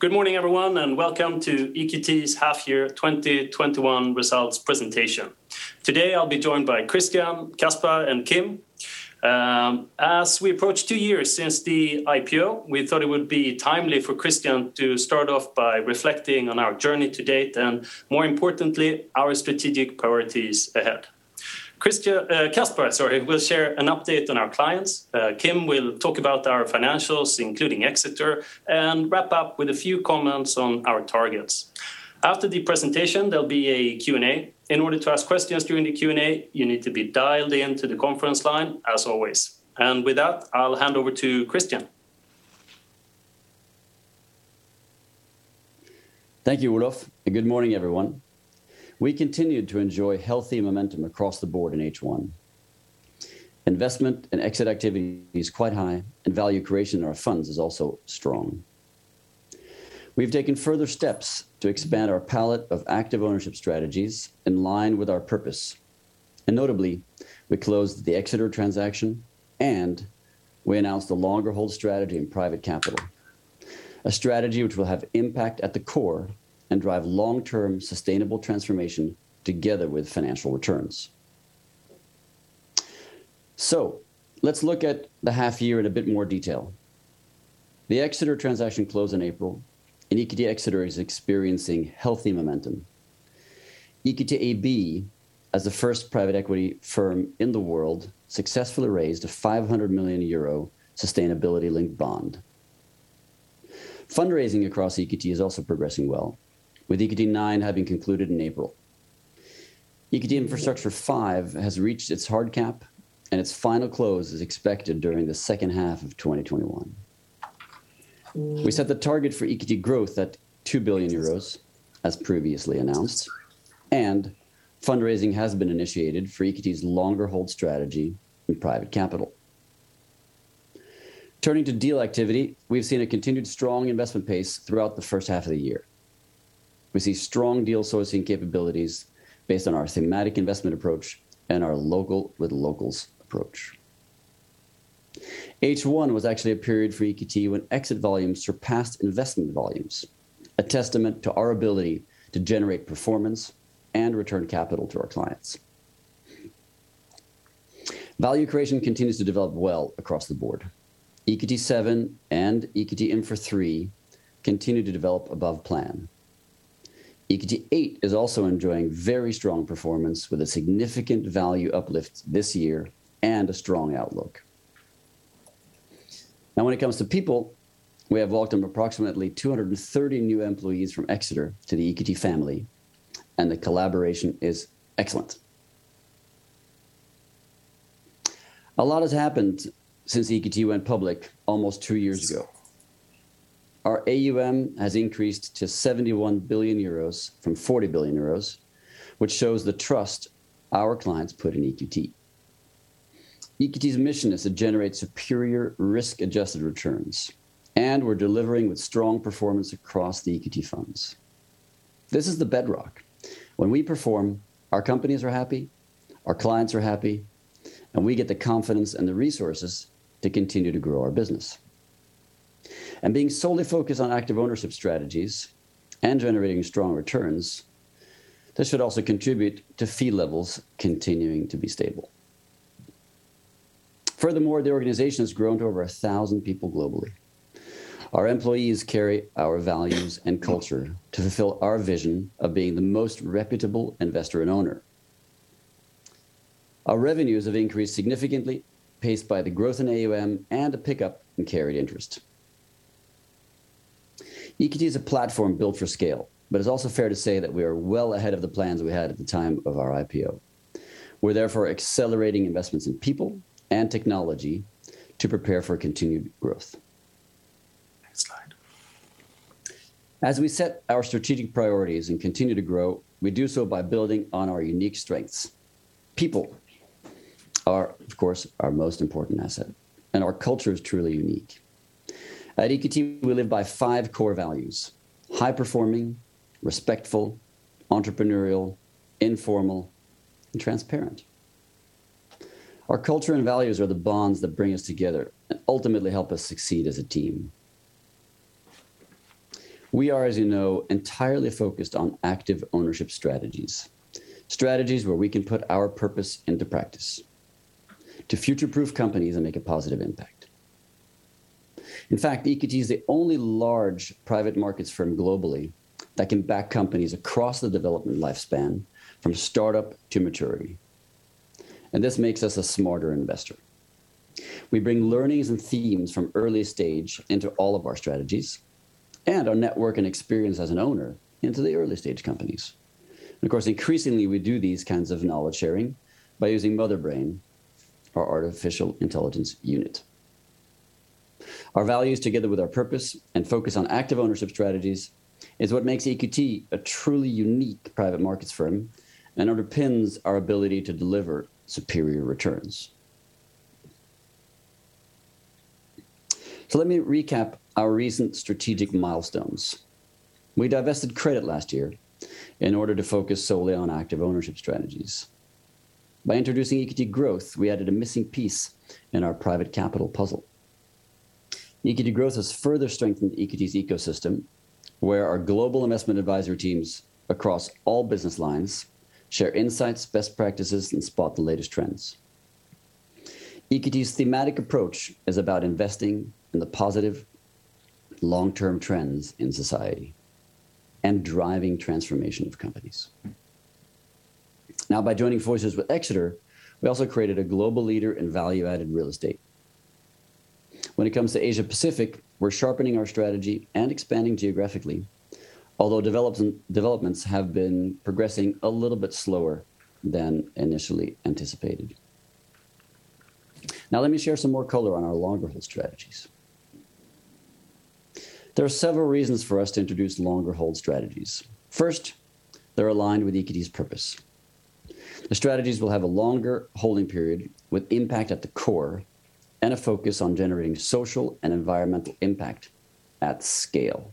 Good morning, everyone, and welcome to EQT's half year 2021 results presentation. Today, I'll be joined by Christian, Caspar, and Kim. As we approach two years since the IPO, we thought it would be timely for Christian to start off by reflecting on our journey to date, and more importantly, our strategic priorities ahead. Caspar will share an update on our clients. Kim will talk about our financials, including Exeter, and wrap up with a few comments on our targets. After the presentation, there'll be a Q&A. In order to ask questions during the Q&A, you need to be dialed into the conference line, as always. With that, I'll hand over to Christian. Thank you, Olof, and good morning, everyone. We continued to enjoy healthy momentum across the board in H1. Investment and exit activity is quite high, and value creation in our funds is also strong. We've taken further steps to expand our palette of active ownership strategies in line with our purpose, notably, we closed the Exeter transaction and we announced a longer hold strategy in private capital, a strategy which will have impact at the core and drive long-term sustainable transformation together with financial returns. Let's look at the half year in a bit more detail. The Exeter transaction closed in April, and EQT Exeter is experiencing healthy momentum. EQT AB, as the first private equity firm in the world, successfully raised a 500 million euro sustainability-linked bond. Fundraising across EQT is also progressing well, with EQT IX having concluded in April. EQT Infrastructure V has reached its hard cap. Its final close is expected during the second half of 2021. We set the target for EQT Growth at 2 billion euros, as previously announced. Fundraising has been initiated for EQT's longer hold strategy in EQT Private Capital. Turning to deal activity, we've seen a continued strong investment pace throughout the first half of the year. We see strong deal sourcing capabilities based on our thematic investment approach and our local with locals approach. H1 was actually a period for EQT when exit volumes surpassed investment volumes, a testament to our ability to generate performance and return capital to our clients. Value creation continues to develop well across the board. EQT VII and EQT Infra III continue to develop above plan. EQT VIII is also enjoying very strong performance with a significant value uplift this year and a strong outlook. Now when it comes to people, we have welcomed approximately 230 new employees from Exeter to the EQT family, and the collaboration is excellent. A lot has happened since EQT went public almost two years ago. Our AUM has increased to 71 billion euros from 40 billion euros, which shows the trust our clients put in EQT. EQT's mission is to generate superior risk-adjusted returns, and we're delivering with strong performance across the EQT funds. This is the bedrock. When we perform, our companies are happy, our clients are happy, and we get the confidence and the resources to continue to grow our business. Being solely focused on active ownership strategies and generating strong returns, this should also contribute to fee levels continuing to be stable. Furthermore, the organization has grown to over 1,000 people globally. Our employees carry our values and culture to fulfill our vision of being the most reputable investor and owner. Our revenues have increased significantly, paced by the growth in AUM and a pickup in carried interest. EQT is a platform built for scale, but it's also fair to say that we are well ahead of the plans we had at the time of our IPO. We're therefore accelerating investments in people and technology to prepare for continued growth. Next slide. As we set our strategic priorities and continue to grow, we do so by building on our unique strengths. People are, of course, our most important asset, and our culture is truly unique. At EQT, we live by five core values: high-performing, respectful, entrepreneurial, informal, and transparent. Our culture and values are the bonds that bring us together and ultimately help us succeed as a team. We are, as you know, entirely focused on active ownership strategies where we can put our purpose into practice to future-proof companies and make a positive impact. In fact, EQT is the only large private markets firm globally that can back companies across the development lifespan from startup to maturity, and this makes us a smarter investor. We bring learnings and themes from early stage into all of our strategies and our network and experience as an owner into the early stage companies. Of course, increasingly, we do these kinds of knowledge sharing by using Motherbrain, our artificial intelligence unit. Our values together with our purpose and focus on active ownership strategies is what makes EQT a truly unique private markets firm and underpins our ability to deliver superior returns. Let me recap our recent strategic milestones. We divested credit last year in order to focus solely on active ownership strategies. By introducing EQT Growth, we added a missing piece in our private capital puzzle. EQT Growth has further strengthened EQT's ecosystem, where our global investment advisory teams across all business lines share insights, best practices, and spot the latest trends. EQT's thematic approach is about investing in the positive long-term trends in society and driving transformation of companies. By joining forces with Exeter, we also created a global leader in value-added real estate. When it comes to Asia-Pacific, we're sharpening our strategy and expanding geographically, although developments have been progressing a little bit slower than initially anticipated. Now let me share some more color on our longer hold strategies. There are several reasons for us to introduce longer hold strategies. First, they're aligned with EQT's purpose. The strategies will have a longer holding period with impact at the core and a focus on generating social and environmental impact at scale.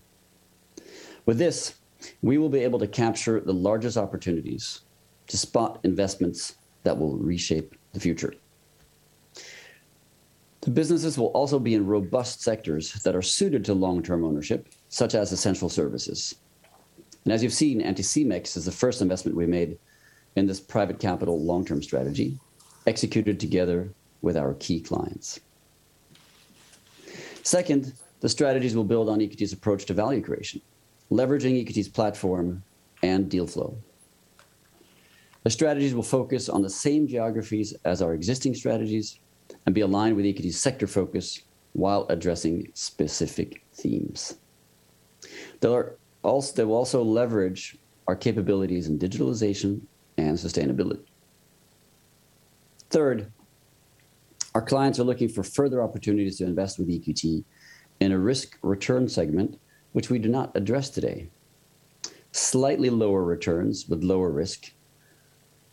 With this, we will be able to capture the largest opportunities to spot investments that will reshape the future. The businesses will also be in robust sectors that are suited to long-term ownership, such as essential services. As you've seen, Anticimex is the first investment we made in this private capital long-term strategy, executed together with our key clients. Second, the strategies will build on EQT's approach to value creation, leveraging EQT's platform and deal flow. The strategies will focus on the same geographies as our existing strategies and be aligned with EQT's sector focus while addressing specific themes. They will also leverage our capabilities in digitalization and sustainability. Third, our clients are looking for further opportunities to invest with EQT in a risk-return segment which we do not address today. Slightly lower returns with lower risk,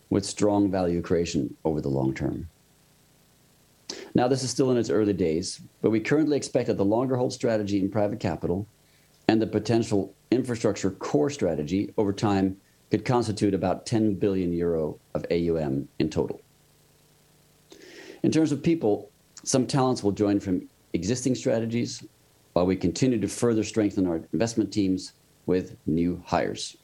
with strong value creation over the long term. Now, this is still in its early days, but we currently expect that the longer hold strategy in private capital and the potential infrastructure core strategy over time could constitute about 10 billion euro of AUM in total. In terms of people, some talents will join from existing strategies while we continue to further strengthen our investment teams with new hires.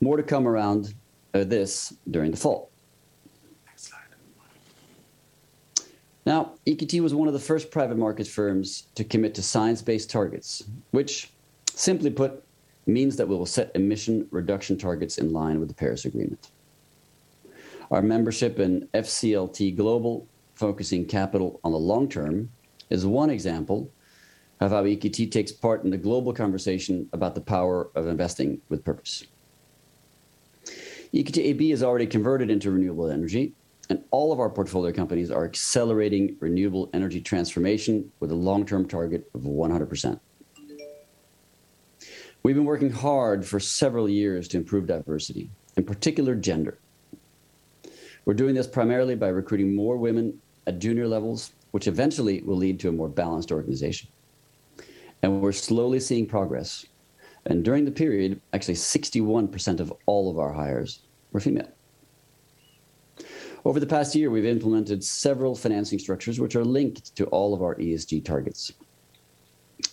More to come around this during the fall. Next slide. Now, EQT was one of the first private markets firms to commit to science-based targets, which simply put, means that we will set emission reduction targets in line with the Paris Agreement. Our membership in FCLTGlobal, Focusing Capital on the Long Term, is one example of how EQT takes part in the global conversation about the power of investing with purpose. EQT AB has already converted into renewable energy, and all of our portfolio companies are accelerating renewable energy transformation with a long-term target of 100%. We've been working hard for several years to improve diversity, in particular gender. We're doing this primarily by recruiting more women at junior levels, which eventually will lead to a more balanced organization, and we're slowly seeing progress. During the period, actually, 61% of all of our hires were female. Over the past year, we've implemented several financing structures which are linked to all of our ESG targets.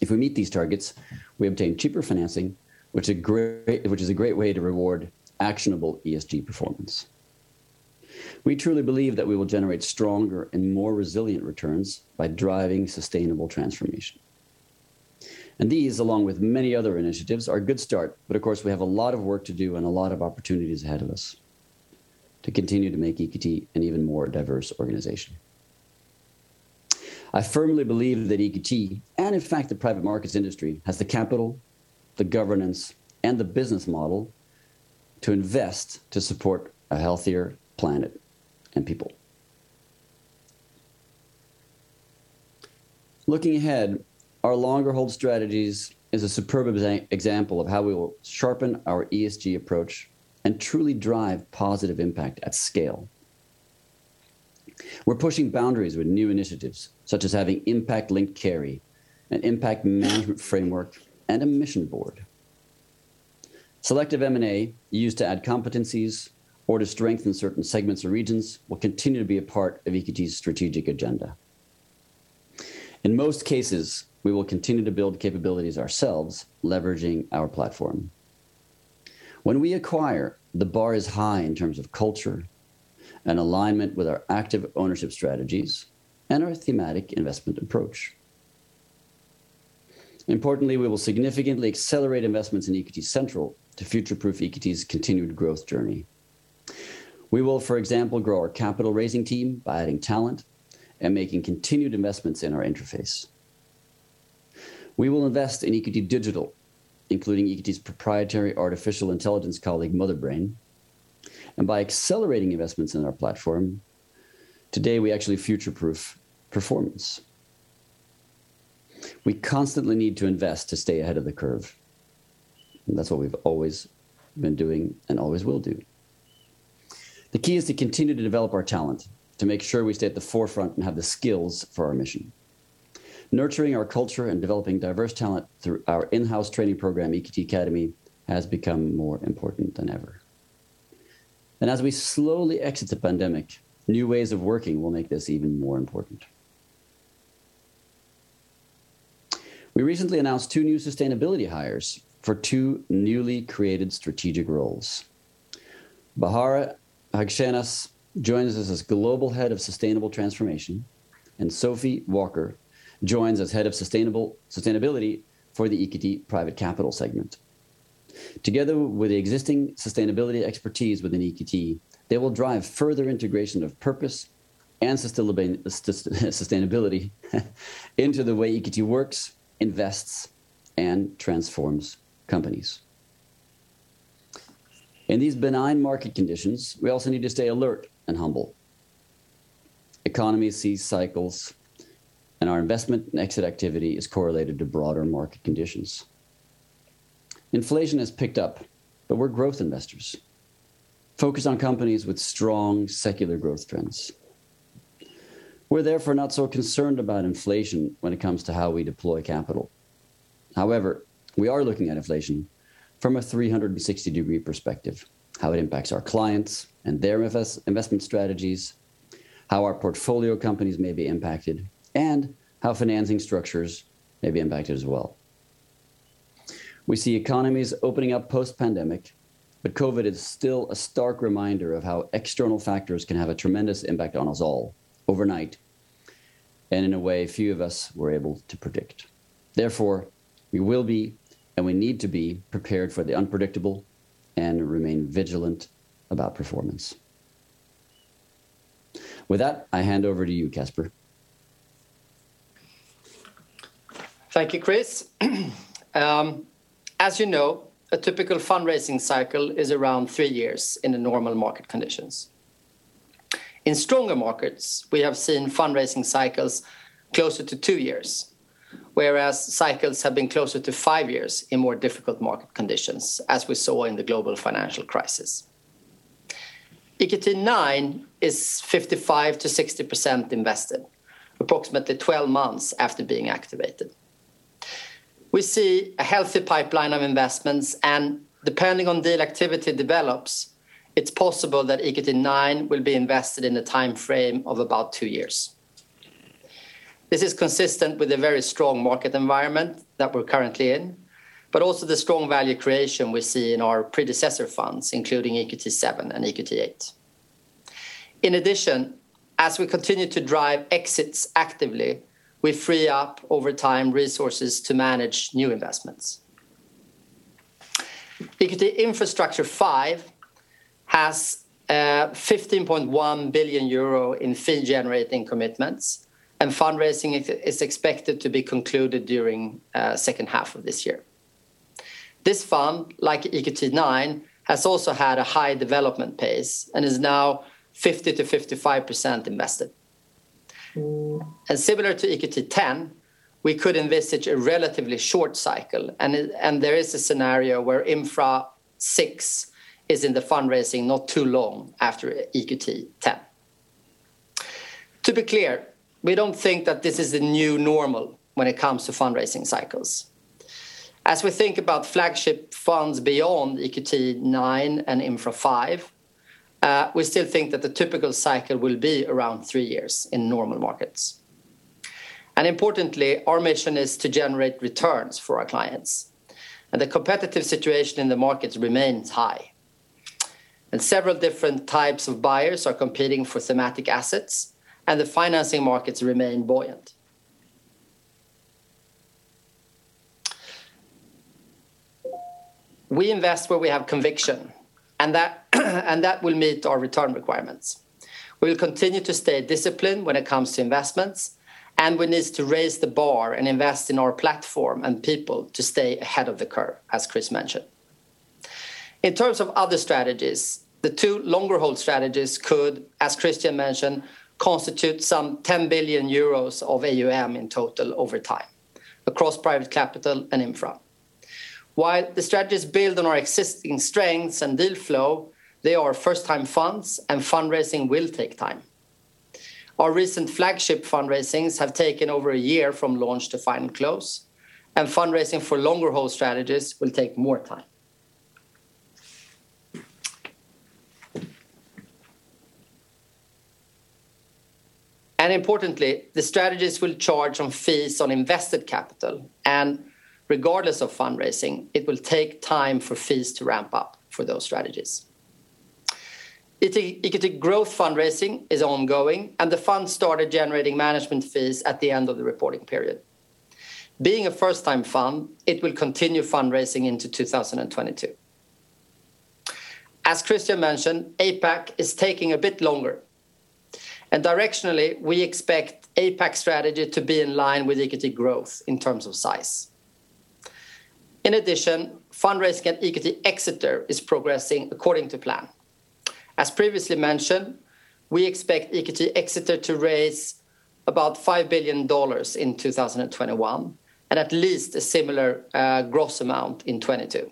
If we meet these targets, we obtain cheaper financing, which is a great way to reward actionable ESG performance. We truly believe that we will generate stronger and more resilient returns by driving sustainable transformation. These, along with many other initiatives, are a good start. Of course, we have a lot of work to do and a lot of opportunities ahead of us to continue to make EQT an even more diverse organization. I firmly believe that EQT, and in fact, the private markets industry, has the capital, the governance, and the business model to invest to support a healthier planet and people. Looking ahead, our longer hold strategies is a superb example of how we will sharpen our ESG approach and truly drive positive impact at scale. We're pushing boundaries with new initiatives, such as having impact-linked carry, an impact management framework, and a mission board. Selective M&A used to add competencies or to strengthen certain segments or regions will continue to be a part of EQT's strategic agenda. In most cases, we will continue to build capabilities ourselves, leveraging our platform. When we acquire, the bar is high in terms of culture and alignment with our active ownership strategies and our thematic investment approach. Importantly, we will significantly accelerate investments in EQT Central to future-proof EQT's continued growth journey. We will, for example, grow our capital-raising team by adding talent and making continued investments in our interface. We will invest in EQT Digital, including EQT's proprietary artificial intelligence colleague, Motherbrain. By accelerating investments in our platform, today, we actually future-proof performance. We constantly need to invest to stay ahead of the curve. That's what we've always been doing and always will do. The key is to continue to develop our talent, to make sure we stay at the forefront and have the skills for our mission. Nurturing our culture and developing diverse talent through our in-house training program, EQT Academy, has become more important than ever. As we slowly exit the pandemic, new ways of working will make this even more important. We recently announced two new sustainability hires for two newly created strategic roles. Bahare Haghshenas joins us as Global Head of Sustainable Transformation, and Sophie Walker joins as Head of Sustainability for the EQT Private Capital segment. Together with the existing sustainability expertise within EQT, they will drive further integration of purpose and sustainability into the way EQT works, invests, and transforms companies. In these benign market conditions, we also need to stay alert and humble. Economies see cycles, and our investment and exit activity is correlated to broader market conditions. Inflation has picked up, but we're growth investors focused on companies with strong secular growth trends. We're therefore not so concerned about inflation when it comes to how we deploy capital. However, we are looking at inflation from a 360-degree perspective, how it impacts our clients and their investment strategies, how our portfolio companies may be impacted, and how financing structures may be impacted as well. We see economies opening up post-pandemic, but COVID is still a stark reminder of how external factors can have a tremendous impact on us all overnight and in a way few of us were able to predict. Therefore, we will be, and we need to be prepared for the unpredictable and remain vigilant about performance. With that, I hand over to you, Caspar. Thank you, Chris. As you know, a typical fundraising cycle is around three years in the normal market conditions. In stronger markets, we have seen fundraising cycles closer to two years, whereas cycles have been closer to five years in more difficult market conditions, as we saw in the global financial crisis. EQT IX is 55%-60% invested approximately 12 months after being activated. We see a healthy pipeline of investments, and depending on deal activity develops, it's possible that EQT IX will be invested in a timeframe of about two years. This is consistent with the very strong market environment that we're currently in, but also the strong value creation we see in our predecessor funds, including EQT VII and EQT VIII. In addition, as we continue to drive exits actively, we free up, over time, resources to manage new investments. EQT Infrastructure V has 15.1 billion euro in fee-generating commitments, and fundraising is expected to be concluded during the second half of this year. This fund, like EQT IX, has also had a high development pace and is now 50%-55% invested. Similar to EQT X, we could envisage a relatively short cycle, and there is a scenario where EQT Infrastructure VI is in the fundraising not too long after EQT X. To be clear, we don't think that this is the new normal when it comes to fundraising cycles. As we think about flagship funds beyond EQT IX and EQT Infrastructure V, we still think that the typical cycle will be around three years in normal markets. Importantly, our mission is to generate returns for our clients, and the competitive situation in the markets remains high, and several different types of buyers are competing for thematic assets, and the financing markets remain buoyant. We invest where we have conviction, and that will meet our return requirements. We will continue to stay disciplined when it comes to investments, and we need to raise the bar and invest in our platform and people to stay ahead of the curve, as Chris mentioned. In terms of other strategies, the two longer-hold strategies could, as Christian mentioned, constitute some 10 billion euros of AUM in total over time across private capital and infra. While the strategies build on our existing strengths and deal flow, they are first-time funds and fundraising will take time. Our recent flagship fundraisings have taken over a year from launch to final close. Fundraising for longer-hold strategies will take more time. Importantly, the strategies will charge on fees on invested capital. Regardless of fundraising, it will take time for fees to ramp up for those strategies. EQT Growth fundraising is ongoing. The fund started generating management fees at the end of the reporting period. Being a first-time fund, it will continue fundraising into 2022. As Christian mentioned, APAC is taking a bit longer. Directionally, we expect APAC strategy to be in line with EQT Growth in terms of size. In addition, fundraising at EQT Exeter is progressing according to plan. As previously mentioned, we expect EQT Exeter to raise about $5 billion in 2021 and at least a similar gross amount in 2022.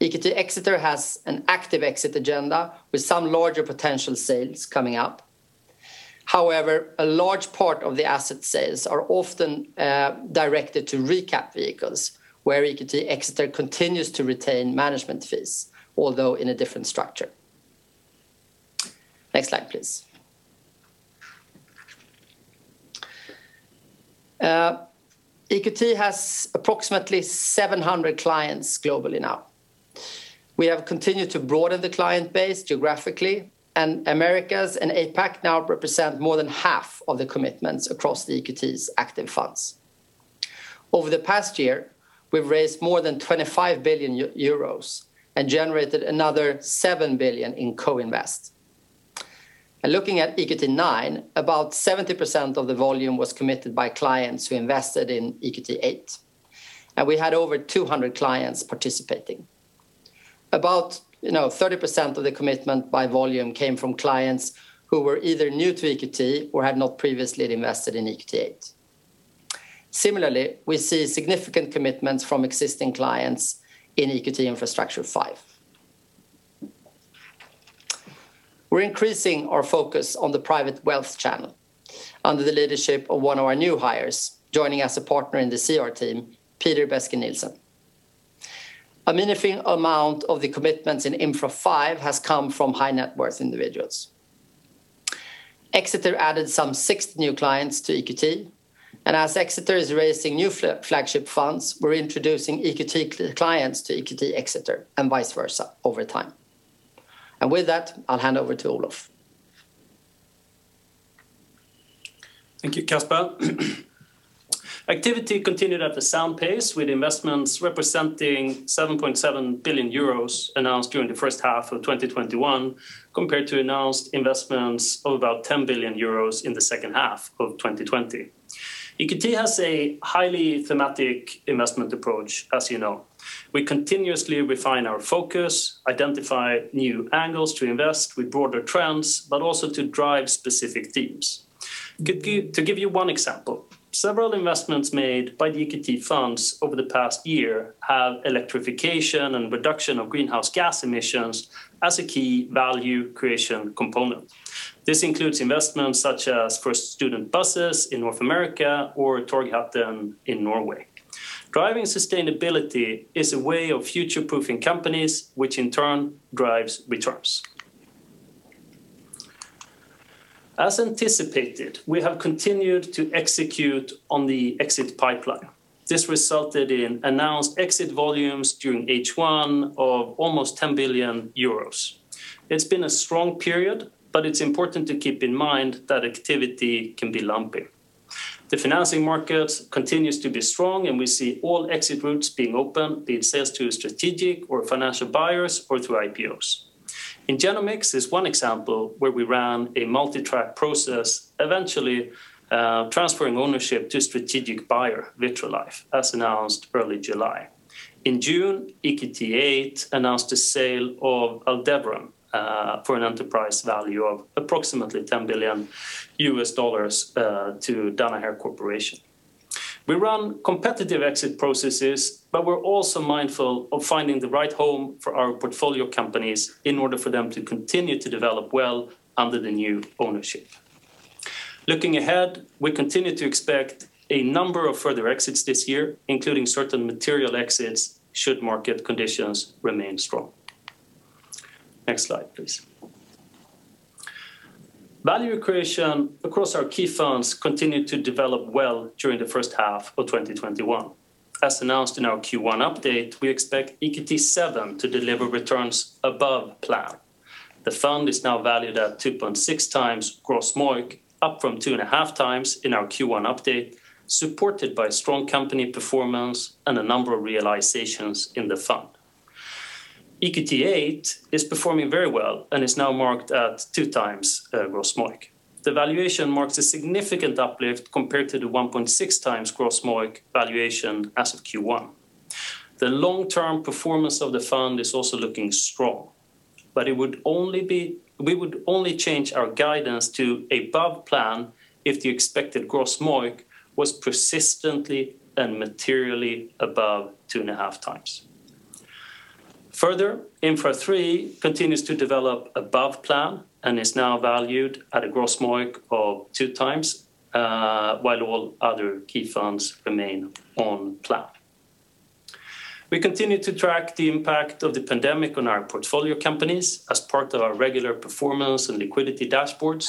EQT Exeter has an active exit agenda with some larger potential sales coming up. A large part of the asset sales are often directed to recap vehicles where EQT Exeter continues to retain management fees, although in a different structure. Next slide, please. EQT has approximately 700 clients globally now. We have continued to broaden the client base geographically, Americas and APAC now represent more than half of the commitments across EQT's active funds. Over the past year, we've raised more than 25 billion euros and generated another 7 billion in co-invest. Looking at EQT IX, about 70% of the volume was committed by clients who invested in EQT VIII, and we had over 200 clients participating. About 30% of the commitment by volume came from clients who were either new to EQT or had not previously invested in EQT VIII. Similarly, we see significant commitments from existing clients in EQT Infrastructure V. We're increasing our focus on the private wealth channel under the leadership of one of our new hires, joining as a partner in the CR team, Peter Beske Nielsen. A meaningful amount of the commitments in Infra V has come from high net worth individuals. As Exeter added some six new clients to EQT, and as Exeter is raising new flagship funds, we're introducing EQT clients to EQT Exeter and vice versa over time. With that, I'll hand over to Olof. Thank you, Caspar. Activity continued at a sound pace with investments representing 7.7 billion euros announced during the first half of 2021 compared to announced investments of about 10 billion euros in the second half of 2020. EQT has a highly thematic investment approach, as you know. We continuously refine our focus, identify new angles to invest with broader trends, but also to drive specific themes. To give you one example, several investments made by the EQT funds over the past year have electrification and reduction of greenhouse gas emissions as a key value creation component. This includes investments such as First Student buses in North America or Torghatten in Norway. Driving sustainability is a way of future-proofing companies, which in turn drives returns. As anticipated, we have continued to execute on the exit pipeline. This resulted in announced exit volumes during H1 of almost 10 billion euros. It's been a strong period, it's important to keep in mind that activity can be lumpy. The financing market continues to be strong, we see all exit routes being open, be it sales to strategic or financial buyers or through IPOs. Igenomix is one example where we ran a multi-track process, eventually transferring ownership to a strategic buyer, Vitrolife, as announced early July. In June, EQT VIII announced a sale of Aldevron for an enterprise value of approximately $10 billion to Danaher Corporation. We run competitive exit processes, we're also mindful of finding the right home for our portfolio companies in order for them to continue to develop well under the new ownership. Looking ahead, we continue to expect a number of further exits this year, including certain material exits should market conditions remain strong. Next slide, please. Value creation across our key funds continued to develop well during the first half of 2021. As announced in our Q1 update, we expect EQT VII to deliver returns above plan. The fund is now valued at 2.6x gross MOIC, up from 2.5x in our Q1 update, supported by strong company performance and a number of realizations in the fund. EQT VIII is performing very well and is now marked at 2x gross MOIC. The valuation marks a significant uplift compared to the 1.6x gross MOIC valuation as of Q1. The long-term performance of the fund is also looking strong, but we would only change our guidance to above plan if the expected gross MOIC was persistently and materially above 2.5x. Infra III continues to develop above plan and is now valued at a gross MOIC of 2x while all other key funds remain on plan. We continue to track the impact of the pandemic on our portfolio companies as part of our regular performance and liquidity dashboards.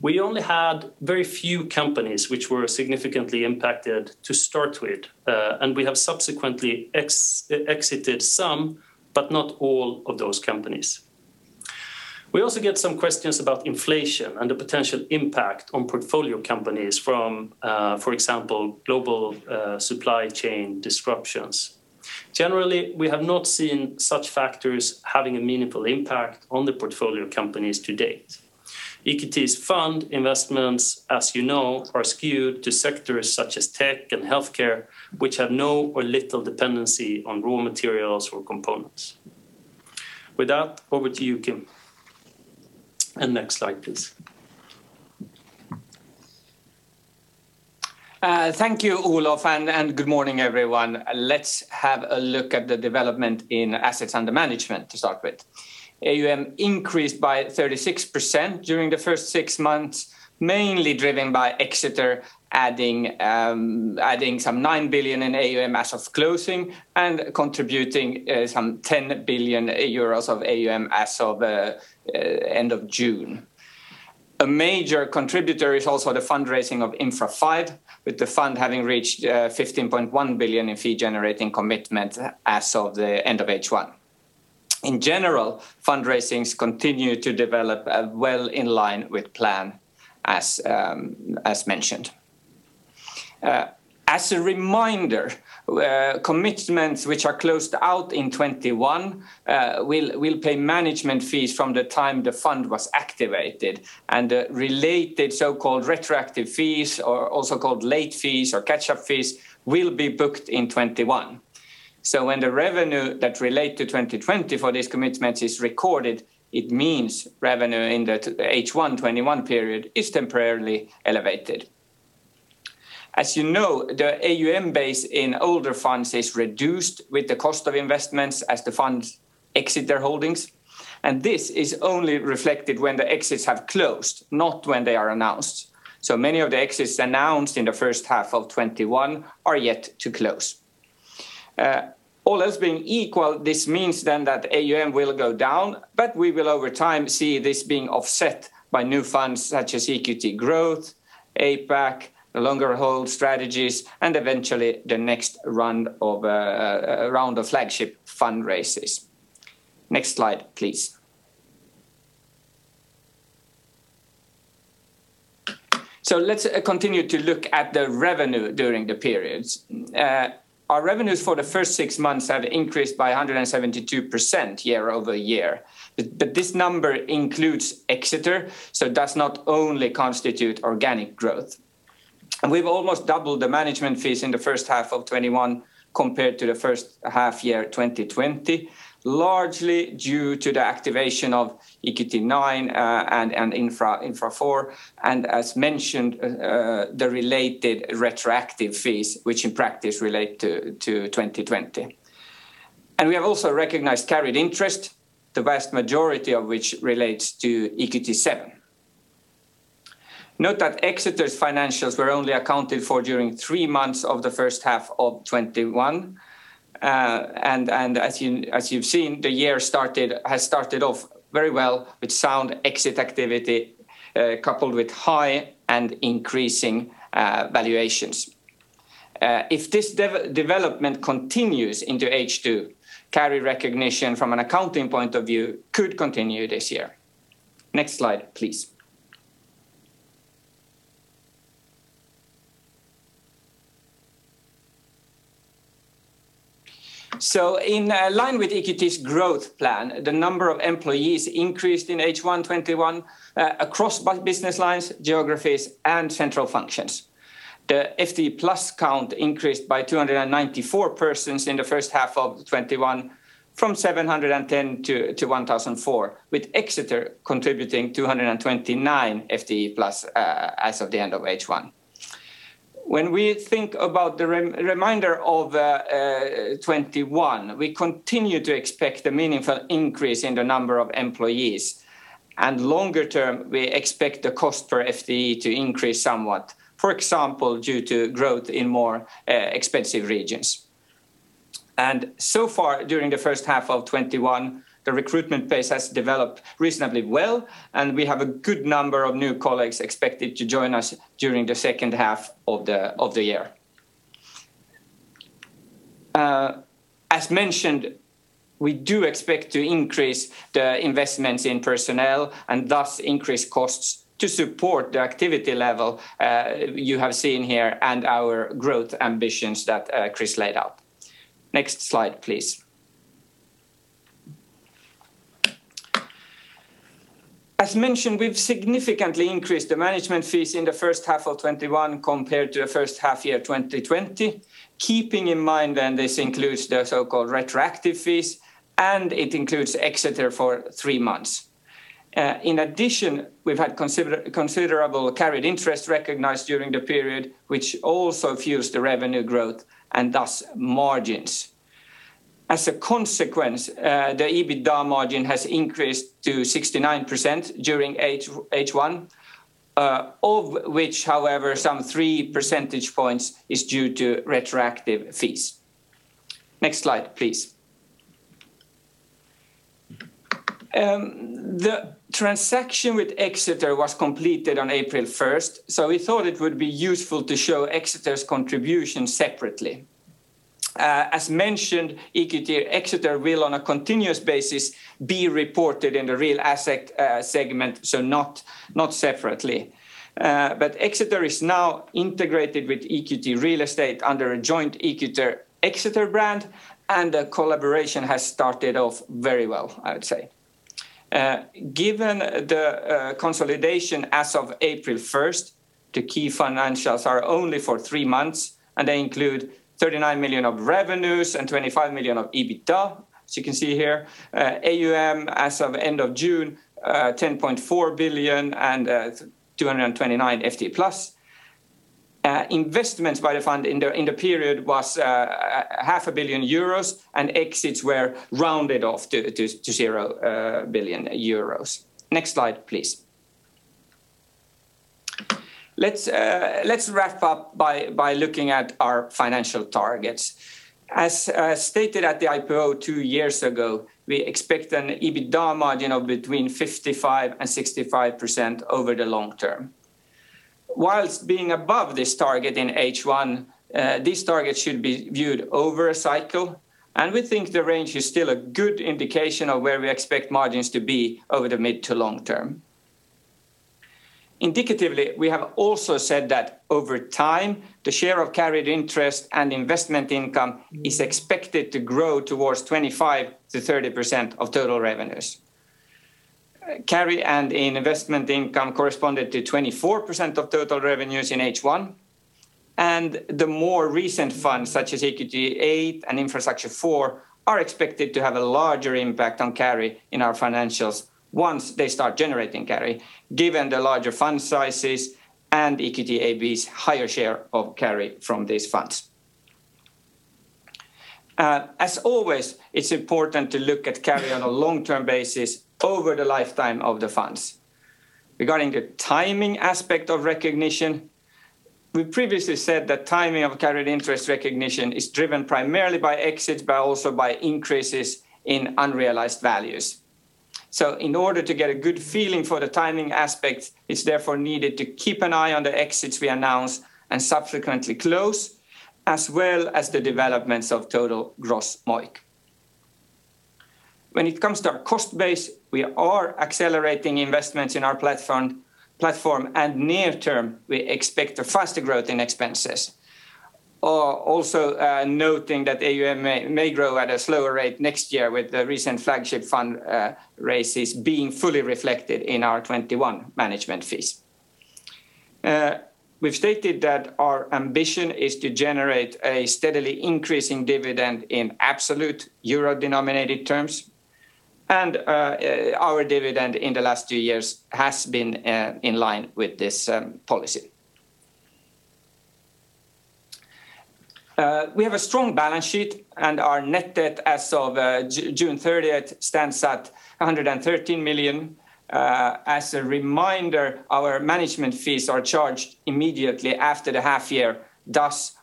We only had very few companies which were significantly impacted to start with, and we have subsequently exited some, but not all of those companies. We also get some questions about inflation and the potential impact on portfolio companies from, for example, global supply chain disruptions. Generally, we have not seen such factors having a meaningful impact on the portfolio companies to date. EQT's fund investments, as you know, are skewed to sectors such as tech and healthcare, which have no or little dependency on raw materials or components. With that, over to you, Kim. Next slide, please. Thank you, Olof, and good morning, everyone. Let's have a look at the development in assets under management to start with. AUM increased by 36% during the first six months, mainly driven by Exeter adding some 9 billion in AUM as of closing and contributing some 10 billion euros of AUM as of end of June. A major contributor is also the fundraising of Infra V, with the fund having reached 15.1 billion in fee-generating commitment as of the end of H1. In general, fundraisings continue to develop well in line with plan as mentioned. As a reminder, commitments which are closed out in 2021 will pay management fees from the time the fund was activated and related so-called retroactive fees, or also called late fees or catch-up fees, will be booked in 2021. When the revenue that relate to 2020 for this commitment is recorded, it means revenue in the H1 2021 period is temporarily elevated. As you know, the AUM base in older funds is reduced with the cost of investments as the funds exit their holdings, and this is only reflected when the exits have closed, not when they are announced. Many of the exits announced in the first half of 2021 are yet to close. All else being equal, this means then that AUM will go down, but we will over time see this being offset by new funds such as EQT Growth, APAC, the longer hold strategies, and eventually the next round of flagship fundraises. Next slide, please. Let's continue to look at the revenue during the periods. Our revenues for the first six months have increased by 172% year-over-year. This number includes Exeter, so does not only constitute organic growth. We've almost doubled the management fees in the first half of 2021 compared to the first half year 2020, largely due to the activation of EQT IX and Infra IV, and as mentioned, the related retroactive fees, which in practice relate to 2020. We have also recognized carried interest, the vast majority of which relates to EQT VII. Note that Exeter's financials were only accounted for during three months of the first half of 2021. As you've seen, the year has started off very well with sound exit activity, coupled with high and increasing valuations. If this development continues into H2, carry recognition from an accounting point of view could continue this year. Next slide, please. In line with EQT's growth plan, the number of employees increased in H1 2021 across business lines, geographies, and central functions. The FTE+ count increased by 294 persons in the first half of 2021 from 710 to 1,004, with Exeter contributing 229 FTE+ as of the end of H1. When we think about the remainder of 2021, we continue to expect a meaningful increase in the number of employees, and longer term, we expect the cost per FTE to increase somewhat. For example, due to growth in more expensive regions. So far, during the first half of 2021, the recruitment phase has developed reasonably well, and we have a good number of new colleagues expected to join us during the second half of the year. As mentioned, we do expect to increase the investments in personnel and thus increase costs to support the activity level you have seen here and our growth ambitions that Chris laid out. Next slide, please. As mentioned, we've significantly increased the management fees in the first half of 2021 compared to the first half year 2020. Keeping in mind then this includes the so-called retroactive fees, and it includes Exeter for three months. In addition, we've had considerable carried interest recognized during the period, which also fuels the revenue growth and thus margins. As a consequence, the EBITDA margin has increased to 69% during H1, of which, however, some 3 percentage points is due to retroactive fees. Next slide, please. The transaction with Exeter was completed on April 1st, so we thought it would be useful to show Exeter's contribution separately. As mentioned, EQT Exeter will, on a continuous basis, be reported in the real asset segment, so not separately. Exeter is now integrated with EQT Real Estate under a joint EQT Exeter brand, and the collaboration has started off very well, I would say. Given the consolidation as of April 1st, the key financials are only for three months, and they include 39 million of revenues and 25 million of EBITDA, as you can see here. AUM as of end of June, 10.4 billion and 229 FTE+. Investments by the fund in the period was 0.5 billion euros And exits were rounded off to 0 billion euros. Next slide, please. Let's wrap up by looking at our financial targets. As stated at the IPO two years ago, we expect an EBITDA margin of between 55% and 65% over the long term. Whilst being above this target in H1, this target should be viewed over a cycle, and we think the range is still a good indication of where we expect margins to be over the mid to long term. Indicatively, we have also said that over time, the share of carried interest and investment income is expected to grow towards 25% to 30% of total revenues. Carry and investment income corresponded to 24% of total revenues in H1. The more recent funds, such as EQT VIII and Infrastructure IV, are expected to have a larger impact on carry in our financials once they start generating carry, given the larger fund sizes and EQT AB's higher share of carry from these funds. As always, it's important to look at carry on a long-term basis over the lifetime of the funds. Regarding the timing aspect of recognition, we previously said that timing of carried interest recognition is driven primarily by exits, but also by increases in unrealized values. In order to get a good feeling for the timing aspect, it's therefore needed to keep an eye on the exits we announce and subsequently close, as well as the developments of total gross MOIC. When it comes to our cost base, we are accelerating investments in our platform, and near term, we expect a faster growth in expenses. Also noting that AUM may grow at a slower rate next year with the recent flagship fund raises being fully reflected in our 2021 management fees. We've stated that our ambition is to generate a steadily increasing dividend in absolute euro-denominated terms. Our dividend in the last two years has been in line with this policy. We have a strong balance sheet, and our net debt as of June 30th stands at 113 million. As a reminder, our management fees are charged immediately after the half year.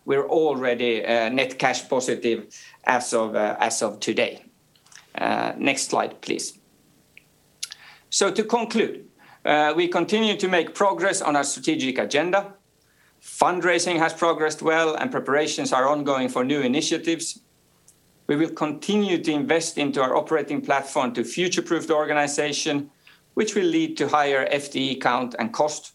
We're already net cash positive as of today. Next slide, please. To conclude, we continue to make progress on our strategic agenda. Fundraising has progressed well, and preparations are ongoing for new initiatives. We will continue to invest into our operating platform to future-proof the organization, which will lead to higher FTE count and cost.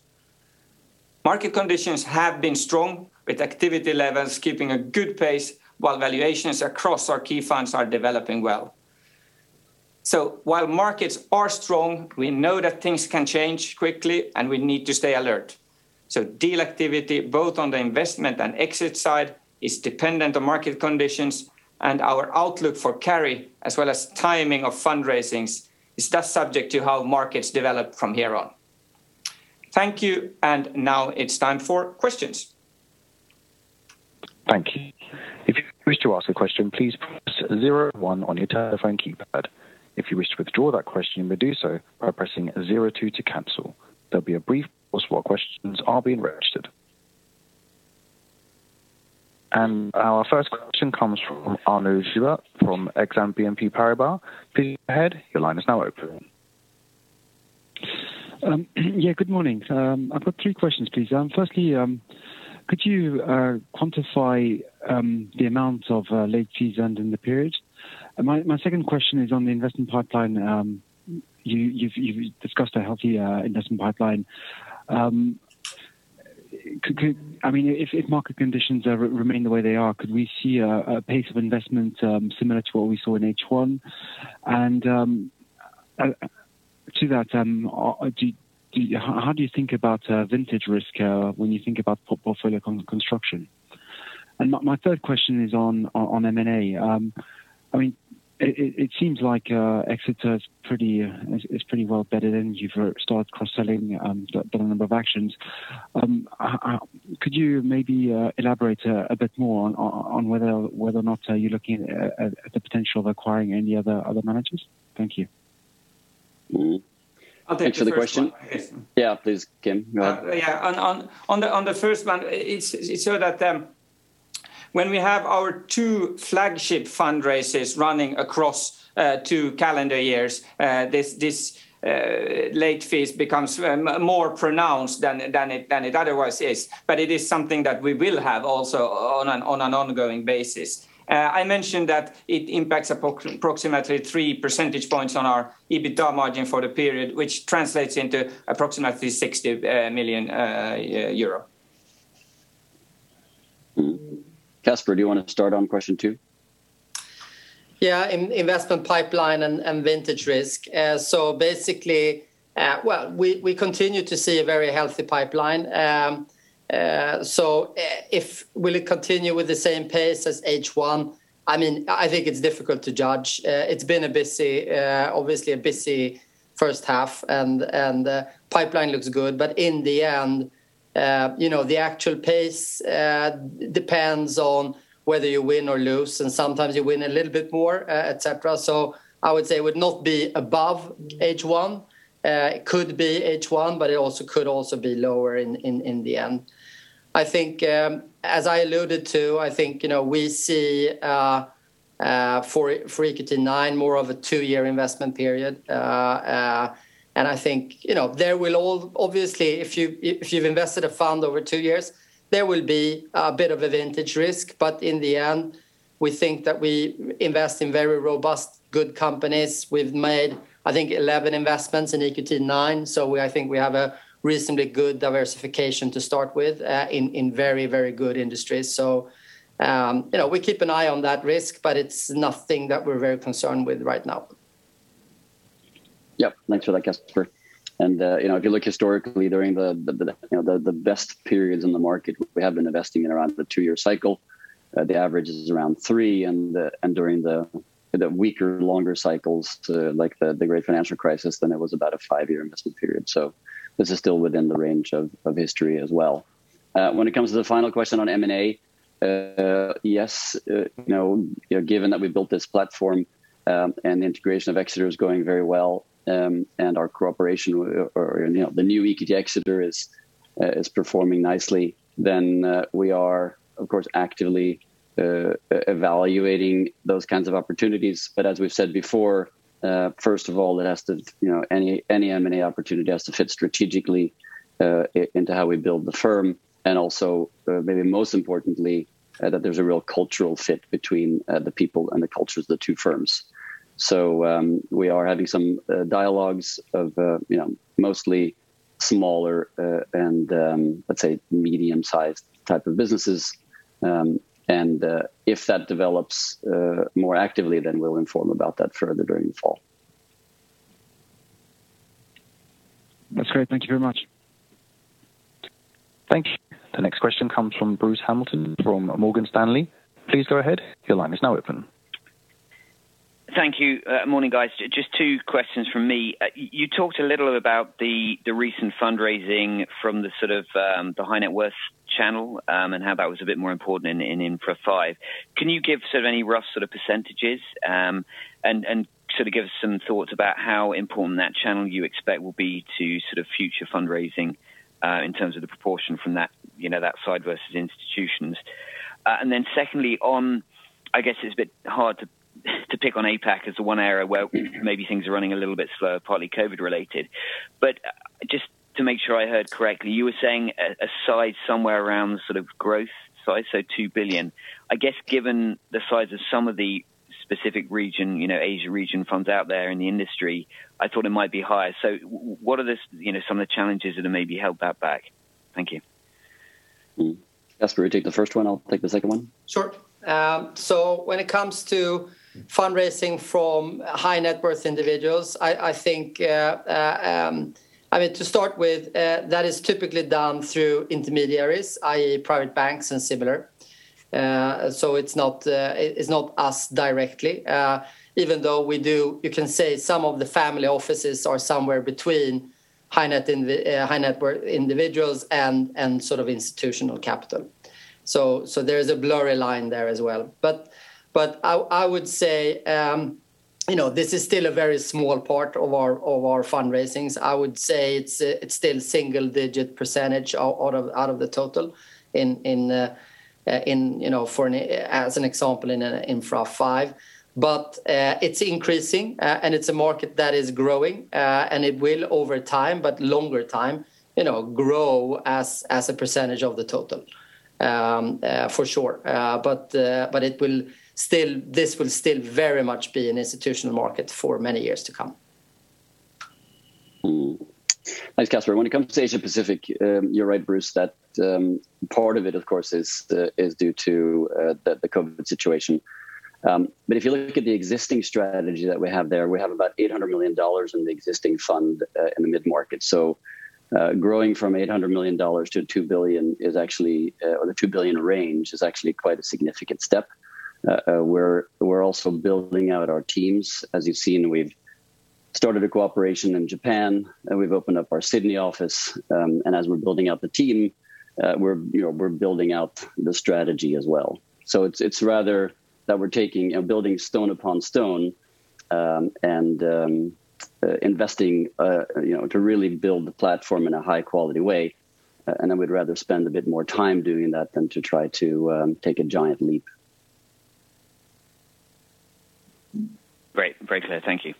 Market conditions have been strong, with activity levels keeping a good pace while valuations across our key funds are developing well. While markets are strong, we know that things can change quickly, and we need to stay alert. Deal activity, both on the investment and exit side, is dependent on market conditions and our outlook for carry, as well as timing of fundraisings is thus subject to how markets develop from here on. Thank you, and now it's time for questions. Thank you. If you wish to ask a question, please press zero one on your telephone keypad. If you wish to withdraw that question, you may do so by pressing zero one to cancel. There will be a brief pause while questions are being registered. Our first question comes from Arnaud Giblat from Exane BNP Paribas. Please go ahead. Your line is now open. Yeah, good morning. I've got three questions, please. Firstly, could you quantify the amount of late fees earned in the period? My second question is on the investment pipeline. You've discussed a healthy investment pipeline. If market conditions remain the way they are, could we see a pace of investment similar to what we saw in H1? To that, how do you think about vintage risk when you think about portfolio construction? My third question is on M&A. It seems like Exeter is pretty well bedded in. You've started cross-selling the number of actions. Could you maybe elaborate a bit more on whether or not you're looking at the potential of acquiring any other managers? Thank you. I'll take the first one. Thanks for the question. Yeah, please, Kim, go ahead. On the first one, it's so that when we have our two flagship fundraisers running across two calendar years this late fees becomes more pronounced than it otherwise is, but it is something that we will have also on an ongoing basis. I mentioned that it impacts approximately 3 percentage points on our EBITDA margin for the period, which translates into approximately 60 million euro. Mm-hmm. Caspar, do you want to start on question two? Yeah. Investment pipeline and vintage risk. We continue to see a very healthy pipeline. Will it continue with the same pace as H1? I think it's difficult to judge. It's been obviously a busy. First half and the pipeline looks good, but in the end, the actual pace depends on whether you win or lose, and sometimes you win a little bit more, et cetera. I would say it would not be above H1. It could be H1, it also could also be lower in the end. I think as I alluded to, I think we see for EQT IX more of a two-year investment period. I think obviously if you've invested a fund over two years, there will be a bit of a vintage risk, in the end, we think that we invest in very robust, good companies. We've made, I think, 11 investments in EQT IX, I think we have a reasonably good diversification to start with, in very good industries. We keep an eye on that risk, but it's nothing that we're very concerned with right now. Yep. Thanks for that, Caspar. If you look historically during the best periods in the market, we have been investing in around the two-year cycle. The average is around three and during the weaker longer cycles to like the great financial crisis, then it was about a five-year investment period. This is still within the range of history as well. When it comes to the final question on M&A, yes, given that we built this platform, and the integration of Exeter is going very well, and our cooperation or the new EQT Exeter is performing nicely, then we are, of course, actively evaluating those kinds of opportunities. As we've said before, first of all any M&A opportunity has to fit strategically into how we build the firm and also, maybe most importantly, that there's a real cultural fit between the people and the cultures of the two firms. We are having some dialogues of mostly smaller and, let's say medium-sized type of businesses. If that develops more actively, then we'll inform about that further during the fall. That's great. Thank you very much. Thank you. The next question comes from Bruce Hamilton from Morgan Stanley. Please go ahead. Your line is now open. Thank you. Morning, guys. Just two questions from me. You talked a little about the recent fundraising from the sort of, the high net worth channel, and how that was a bit more important in Infra V. Can you give sort of any rough sort of percentages, and sort of give us some thoughts about how important that channel you expect will be to sort of future fundraising, in terms of the proportion from that side versus institutions? Secondly on, I guess it's a bit hard to pick on APAC as the one area where maybe things are running a little bit slower, partly COVID related, but just to make sure I heard correctly, you were saying a size somewhere around the sort of growth size, so 2 billion. I guess given the size of some of the specific region, Asia region funds out there in the industry, I thought it might be higher. What are some of the challenges that have maybe held that back? Thank you. Caspar, you take the first one, I'll take the second one. Sure. When it comes to fundraising from high net worth individuals, to start with, that is typically done through intermediaries, i.e., private banks and similar. It's not us directly, even though we do, you can say some of the family offices are somewhere between high net worth individuals and sort of institutional capital. There's a blurry line there as well. I would say this is still a very small part of our fundraisings. I would say it's still single-digit percentage out of the total as an example in Infra V. It's increasing, and it's a market that is growing, and it will over time, but longer time, grow as a percentage of the total, for sure. This will still very much be an institutional market for many years to come. Thanks, Caspar. When it comes to Asia Pacific, you're right, Bruce, that part of it, of course, is due to the COVID situation. If you look at the existing strategy that we have there, we have about EUR 800 million in the existing fund in the mid-market. Growing from EUR 800 million to 2 billion is actually, or the 2 billion range is actually quite a significant step. We're also building out our teams. As you've seen, we've started a cooperation in Japan and we've opened up our Sydney office, and as we're building out the team, we're building out the strategy as well. It's rather that we're taking and building stone upon stone, and investing to really build the platform in a high-quality way, and then we'd rather spend a bit more time doing that than to try to take a giant leap. Great. Very clear. Thank you.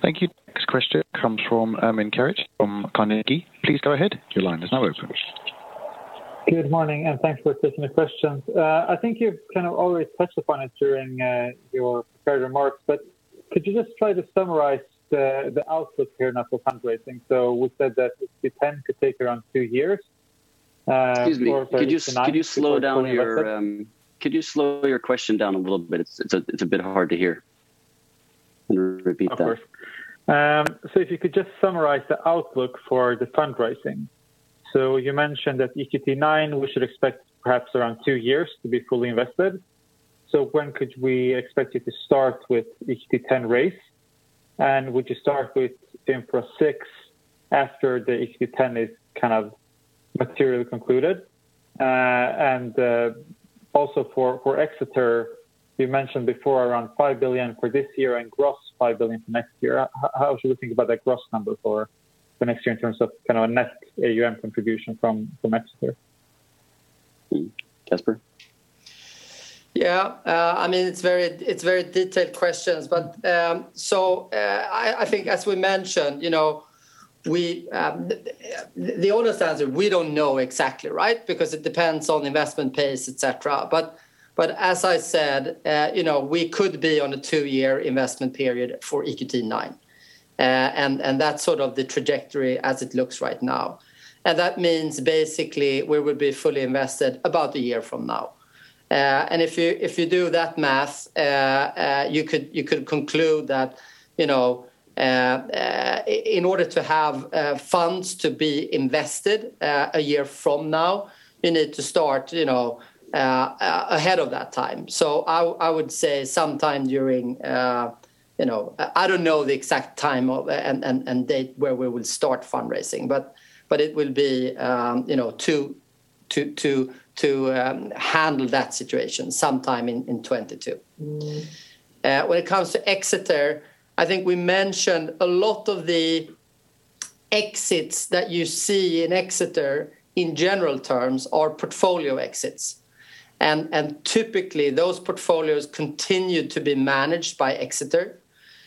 Thank you. Next question comes from Ermin Keric from Carnegie. Please go ahead. Good morning, and thanks for taking the questions. I think you've kind of already touched upon it during your prepared remarks, but could you just try to summarize the outlook here now for fundraising? We said that it depends, could take around two years. Excuse me. Could you slow your question down a little bit? It is a bit hard to hear. Can you repeat that? Of course. If you could just summarize the outlook for the fundraising. You mentioned that EQT IX, we should expect perhaps around two years to be fully invested. When could we expect you to start with EQT X raise, and would you start with Infra VI after the EQT X is kind of materially concluded? Also for Exeter, you mentioned before around $5 billion for this year and gross $5 billion for next year. How should we think about that gross number for the next year in terms of kind of a net AUM contribution from Exeter? Caspar? Yeah. It is very detailed questions, but I think as we mentioned, the honest answer, we do not know exactly, right? Because it depends on investment pace, et cetera. As I said we could be on a two-year investment period for EQT IX. That is sort of the trajectory as it looks right now. That means basically we would be fully invested about one year from now. If you do that math, you could conclude that in order to have funds to be invested one year from now, you need to start ahead of that time. I would say sometime during, I do not know the exact time and date where we will start fundraising, but it will be to handle that situation sometime in 2022. When it comes to Exeter, I think we mentioned a lot of the exits that you see in Exeter in general terms are portfolio exits. Typically those portfolios continue to be managed by Exeter.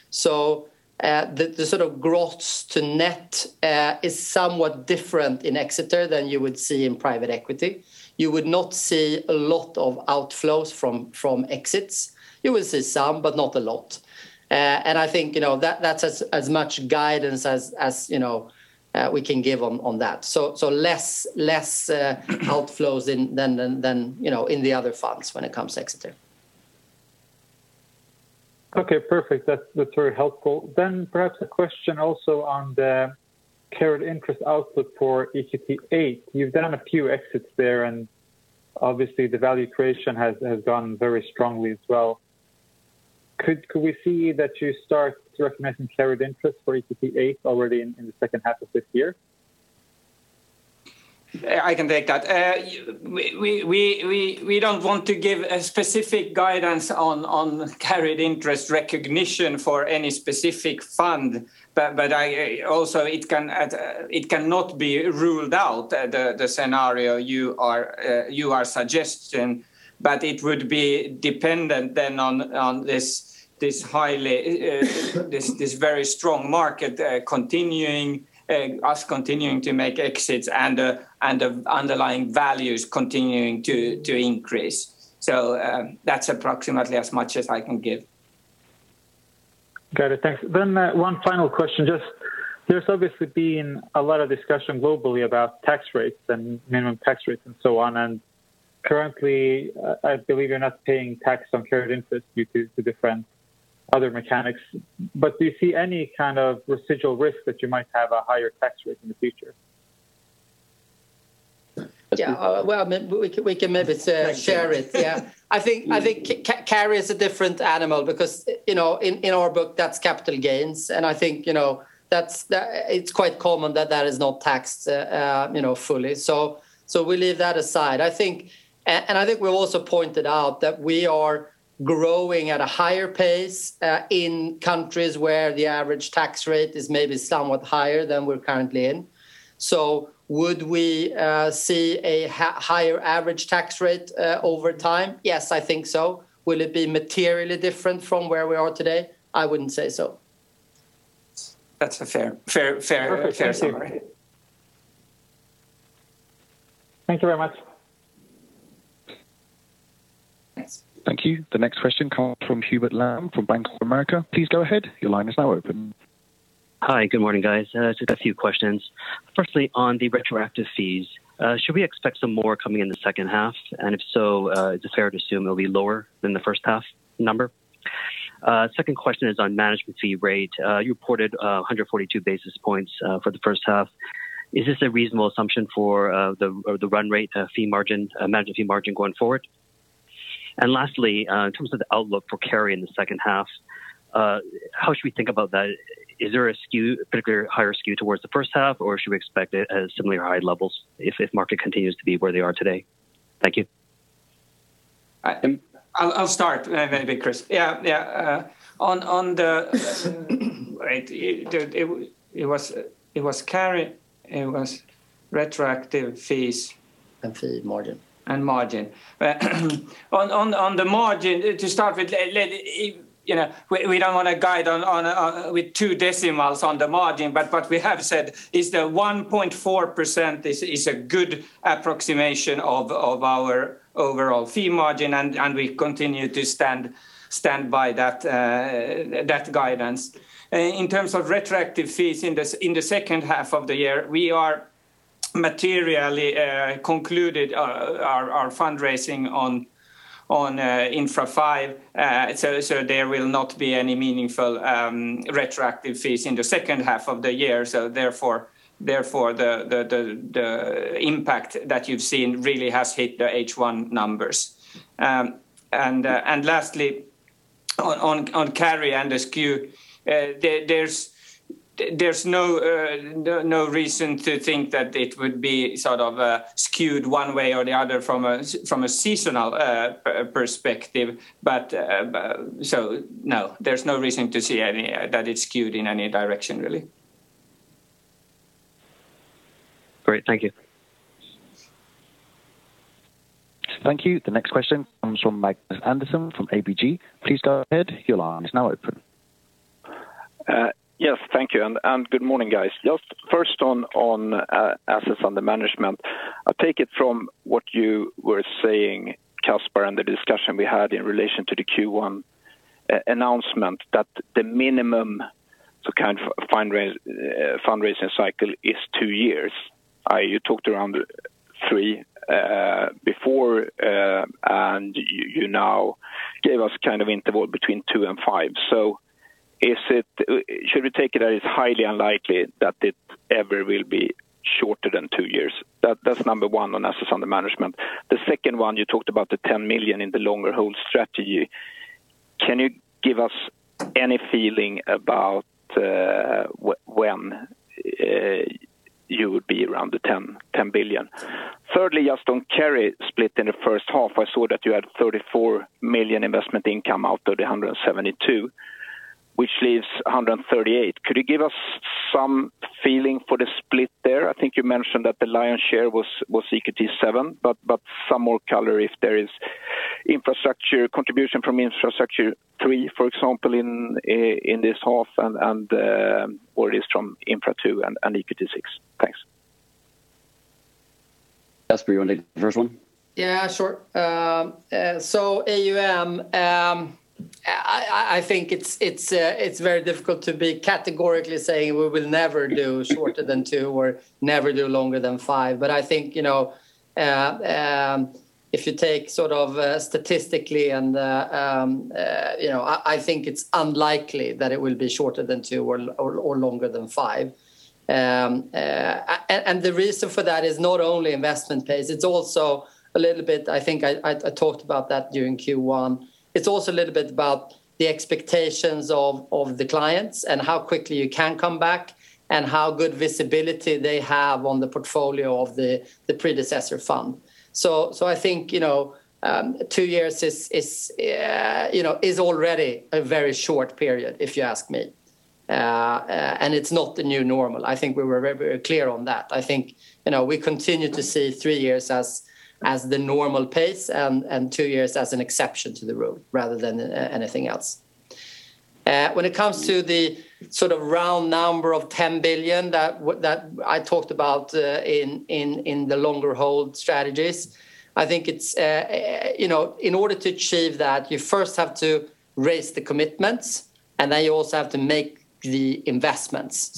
The sort of gross to net is somewhat different in Exeter than you would see in private equity. You would not see a lot of outflows from exits. You will see some, but not a lot. I think that's as much guidance as we can give on that. Less outflows than in the other funds when it comes to Exeter. Okay, perfect. That's very helpful. Perhaps a question also on the carried interest outlook for EQT VIII. You've done a few exits there and obviously the value creation has gone very strongly as well. Could we see that you start recognizing carried interest for EQT VIII already in the second half of this year? I can take that. We don't want to give a specific guidance on carried interest recognition for any specific fund, but also it cannot be ruled out the scenario you are suggesting, but it would be dependent then on this very strong market continuing, us continuing to make exits and the underlying values continuing to increase. That's approximately as much as I can give. Got it. Thanks. One final question, just there's obviously been a lot of discussion globally about tax rates and minimum tax rates and so on, and currently, I believe you're not paying tax on carried interest due to different other mechanics, but do you see any kind of residual risk that you might have a higher tax rate in the future? Well, we can maybe say share it. I think carry is a different animal because in our book that's capital gains and I think it's quite common that that is not taxed fully. We leave that aside. I think we also pointed out that we are growing at a higher pace in countries where the average tax rate is maybe somewhat higher than we're currently in. Would we see a higher average tax rate over time? Yes, I think so. Will it be materially different from where we are today? I wouldn't say so. That's a fair summary. Thank you very much. Thanks. Thank you. The next question comes from Hubert Lam of Bank of America. Please go ahead. Hi. Good morning, guys. Just a few questions. Firstly, on the retroactive fees, should we expect some more coming in the second half? If so, is it fair to assume it'll be lower than the first half number? Second question is on management fee rate. You reported 142 basis points for the first half. Is this a reasonable assumption for the run rate management fee margin going forward? Lastly, in terms of the outlook for carry in the second half, how should we think about that? Is there a particular higher skew towards the first half or should we expect it at similarly high levels if market continues to be where they are today? Thank you. I'll start maybe, Chris. Yeah. It was carry, it was retroactive fees and margin. On the margin to start with, we don't want to guide on with 2 decimals on the margin, but what we have said is the 1.4% is a good approximation of our overall fee margin and we continue to stand by that guidance. In terms of retroactive fees in the second half of the year materially concluded our fundraising on Infra V. There will not be any meaningful retroactive fees in the second half of the year. The impact that you've seen really has hit the H1 numbers. Lastly, on carry and the skew, there's no reason to think that it would be skewed one way or the other from a seasonal perspective. No, there's no reason to see that it's skewed in any direction really. Great. Thank you. Thank you. The next question comes from Magnus Andersson from ABG. Please go ahead. Your line is now open. Yes, thank you, and good morning, guys. Just first on assets under management. I take it from what you were saying, Caspar, and the discussion we had in relation to the Q1 announcement that the minimum kind of fundraising cycle is two years. You talked around three before, and you now gave us kind of interval between two and five. Should we take it as highly unlikely that it ever will be shorter than two years? That's number one on assets under management. The second one, you talked about the 10 million in the longer hold strategy. Can you give us any feeling about when you would be around the 10 billion? Thirdly, just on carry split in the first half, I saw that you had 34 million investment income out of the 172 million, which leaves 138 million. Could you give us some feeling for the split there? I think you mentioned that the lion's share was EQT VII, but some more color if there is contribution from Infrastructure III, for example, in this half and what it is from Infra II and EQT VI. Thanks. Caspar, you want to take the first one? Yeah, sure. AUM, I think it's very difficult to be categorically saying we will never do shorter than two or never do longer than five. I think if you take statistically and I think it's unlikely that it will be shorter than two or longer than five. The reason for that is not only investment pace, it's also a little bit, I think I talked about that during Q1. It's also a little bit about the expectations of the clients and how quickly you can come back and how good visibility they have on the portfolio of the predecessor fund. I think two years is already a very short period if you ask me. It's not the new normal. I think we were very clear on that. I think we continue to see three years as the normal pace and two years as an exception to the rule rather than anything else. When it comes to the round number of 10 billion that I talked about in the longer hold strategies, I think in order to achieve that you first have to raise the commitments, then you also have to make the investments.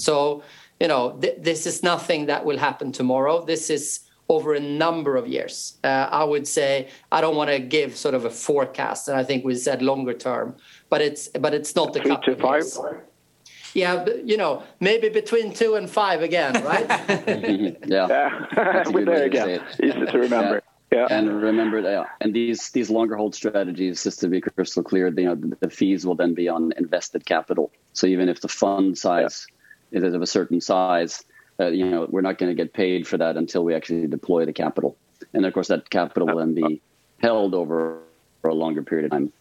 This is nothing that will happen tomorrow. This is over a number of years. I would say I don't want to give a forecast. I think we said longer term. Two to five? Yeah. Maybe between two and five again, right? Yeah. There we go. Easy to remember. Yeah. Remember, these longer hold strategies, just to be crystal clear, the fees will then be on invested capital. Even if the fund size is of a certain size, we're not going to get paid for that until we actually deploy the capital. Of course, that capital will then be held over for a longer period of time.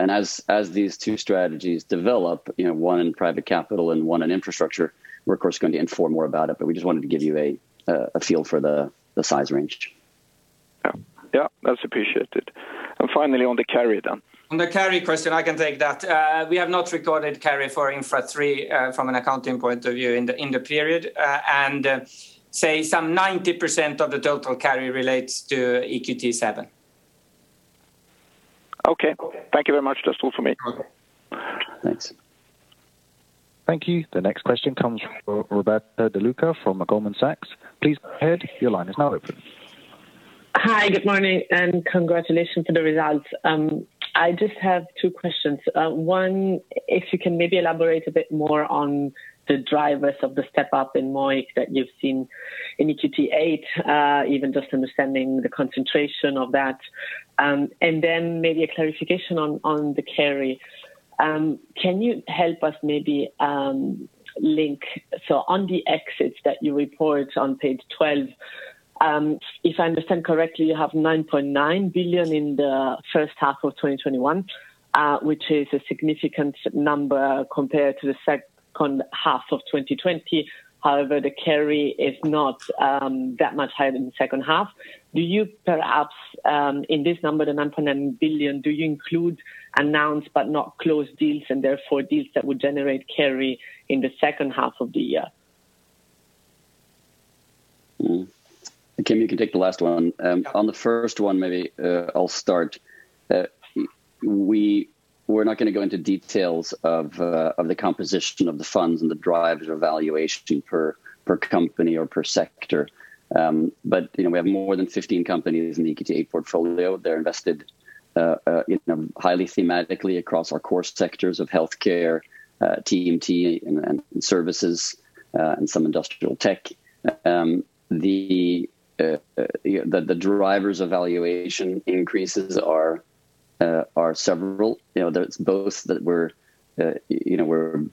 As these two strategies develop, one in private capital and one in infrastructure, we're of course going to inform more about it, but we just wanted to give you a feel for the size range. Yeah. That's appreciated. Finally, on the carry then. On the carry question, I can take that. We have not recorded carry for Infra III from an accounting point of view in the period, and say some 90% of the total carry relates to EQT VII. Okay. Thank you very much. That is all for me. Thanks. Thank you. The next question comes from Roberta De Luca from Goldman Sachs. Please go ahead, your line is now open. Hi, good morning. Congratulations on the results. I just have two questions. One, if you can maybe elaborate a bit more on the drivers of the step-up in MOIC that you've seen in EQT VIII, even just understanding the concentration of that, then maybe a clarification on the carry. Can you help us maybe link, on the exits that you report on page 12, if I understand correctly, you have 9.9 billion in the first half of 2021, which is a significant number compared to the second half of 2020. However, the carry is not that much higher than the second half. Do you perhaps, in this number, the 9.9 billion, do you include announced but not closed deals and therefore deals that would generate carry in the second half of the year? Kim, you can take the last one. On the first one, maybe I'll start. We're not going to go into details of the composition of the funds and the drivers of valuation per company or per sector. We have more than 15 companies in the EQT VIII portfolio. They're invested highly thematically across our core sectors of healthcare, TMT, and services, and some industrial tech. The drivers of valuation increases are several. It's both that we're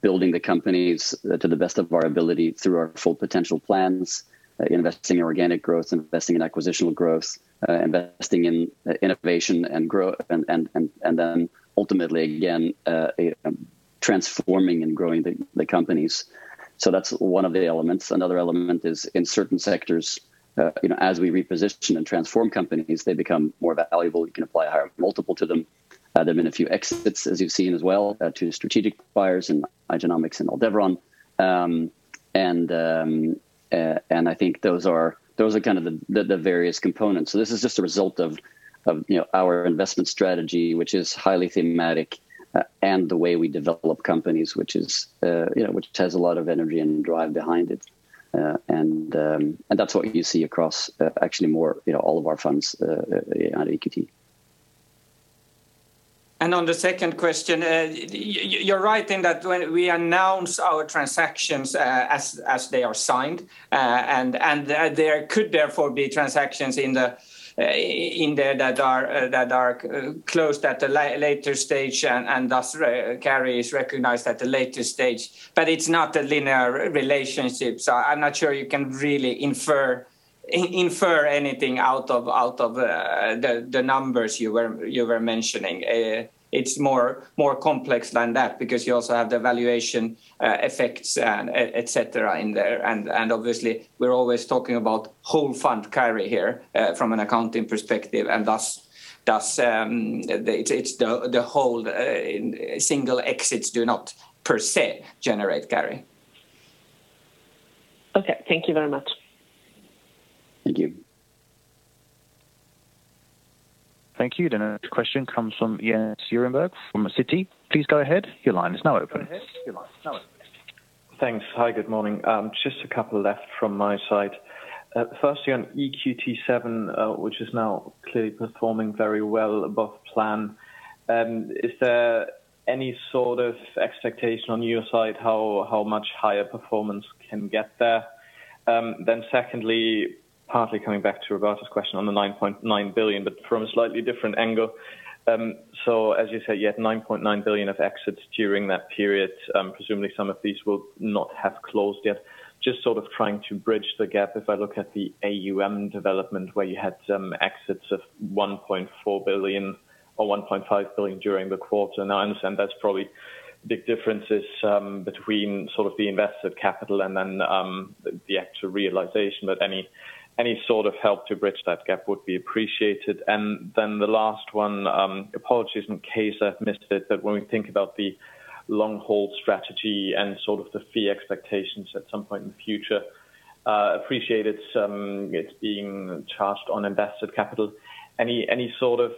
building the companies to the best of our ability through our Full Potential Plans, investing in organic growth, investing in acquisitional growth, investing in innovation and growth, and then ultimately, again transforming and growing the companies. That's one of the elements. Another element is in certain sectors as we reposition and transform companies, they become more valuable. You can apply a higher multiple to them. There have been a few exits, as you've seen as well, to strategic buyers in Igenomix and Aldevron. I think those are the various components. This is just a result of our investment strategy, which is highly thematic, and the way we develop companies, which has a lot of energy and drive behind it. That's what you see across actually more all of our funds at EQT. On the second question, you're right in that when we announce our transactions as they are signed, and there could therefore be transactions in there that are closed at a later stage and thus carry is recognized at a later stage. It's not a linear relationship. I'm not sure you can really infer anything out of the numbers you were mentioning. It's more complex than that because you also have the valuation effects, et cetera, in there. Obviously we're always talking about whole fund carry here from an accounting perspective, and thus it's the whole single exits do not per se generate carry. Okay. Thank you very much. Thank you. Thank you. The next question comes from Jens Ehrenberg from Citi. Please go ahead. Thanks. Hi, good morning. Just a couple left from my side. Firstly on EQT VII, which is now clearly performing very well above plan. Is there any sort of expectation on your side how much higher performance can get there? Secondly, partly coming back to Roberta's question on the 9.9 billion, from a slightly different angle. As you say, you had 9.9 billion of exits during that period. Presumably some of these will not have closed yet. Just sort of trying to bridge the gap, if I look at the AUM development where you had some exits of 1.4 billion or 1.5 billion during the quarter. I understand that's probably big differences between sort of the invested capital and the actual realization, any sort of help to bridge that gap would be appreciated. The last one, apologies in case I've missed it, when we think about the long-hold strategy and sort of the fee expectations at some point in the future, appreciate it's being charged on invested capital. Any sort of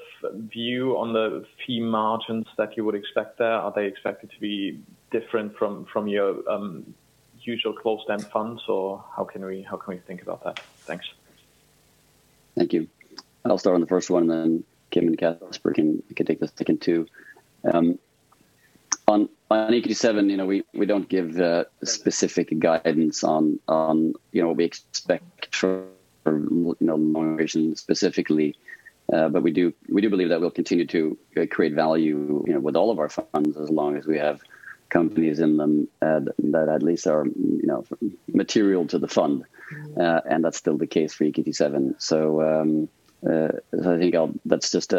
view on the fee margins that you would expect there? Are they expected to be different from your usual closed-end funds, how can we think about that? Thanks. Thank you. I'll start on the first one, and then Kim and Caspar can take the second two. On EQT VII, we don't give specific guidance on what we expect for migration specifically. We do believe that we'll continue to create value with all of our funds as long as we have companies in them that at least are material to the fund. That's still the case for EQT VII. I think that's just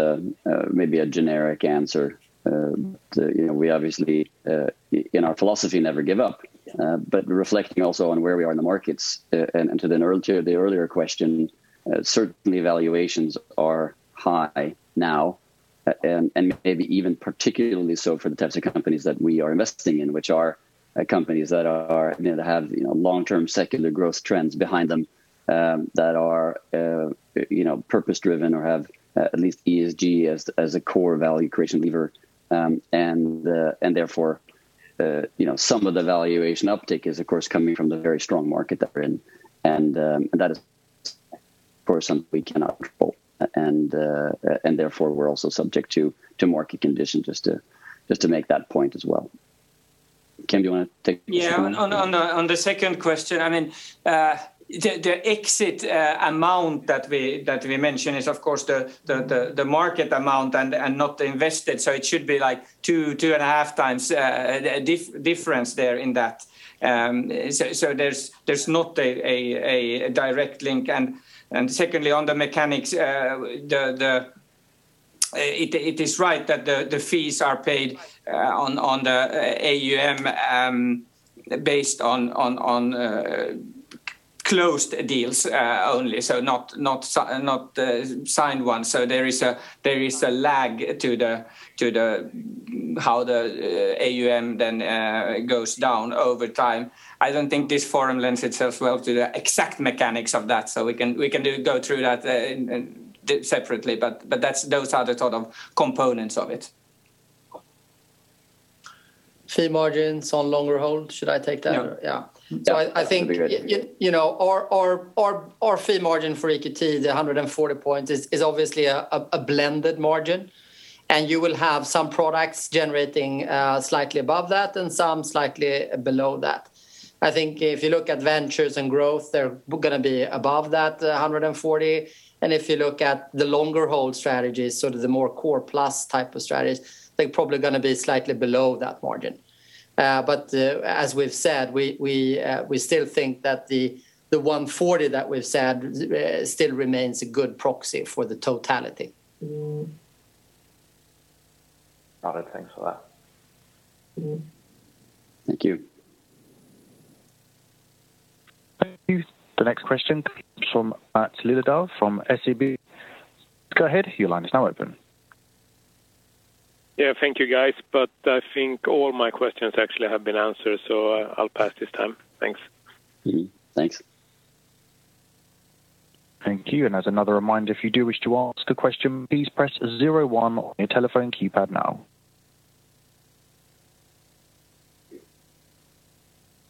maybe a generic answer. We obviously in our philosophy never give up. Reflecting also on where we are in the markets and to the earlier question, certainly valuations are high now, and maybe even particularly so for the types of companies that we are investing in, which are companies that have long-term secular growth trends behind them that are purpose-driven or have at least ESG as a core value creation lever. Therefore some of the valuation uptick is of course coming from the very strong market that we're in, and that is for some we cannot control and therefore we're also subject to market conditions just to make that point as well. Kim, do you want to take the second one? Yeah. On the second question, the exit amount that we mentioned is of course the market amount and not the invested. It should be 2.5x difference there in that. There's not a direct link. Secondly, on the mechanics, it is right that the fees are paid on the AUM based on. Closed deals only, so not signed ones. There is a lag to how the AUM then goes down over time. I don't think this forum lends itself well to the exact mechanics of that, so we can go through that separately, but those are the sort of components of it. Fee margins on longer hold. Should I take that? Yeah. Yeah. That would be great. Our fee margin for EQT, the 140 basis points, is obviously a blended margin, and you will have some products generating slightly above that and some slightly below that. I think if you look at ventures and growth, they're going to be above that 140 basis points, and if you look at the longer hold strategies, so the more core plus type of strategies, they're probably going to be slightly below that margin. As we've said, we still think that the 140 basis points that we've said still remains a good proxy for the totality. Got it. Thanks for that. Thank you. Thank you. The next question comes from Maths Liljedahl from SEB. Yeah. Thank you, guys, but I think all my questions actually have been answered, so I will pass this time. Thanks. Mm-hmm. Thanks. Thank you. As another reminder, if you do wish to ask a question, please press zero one on your telephone keypad now.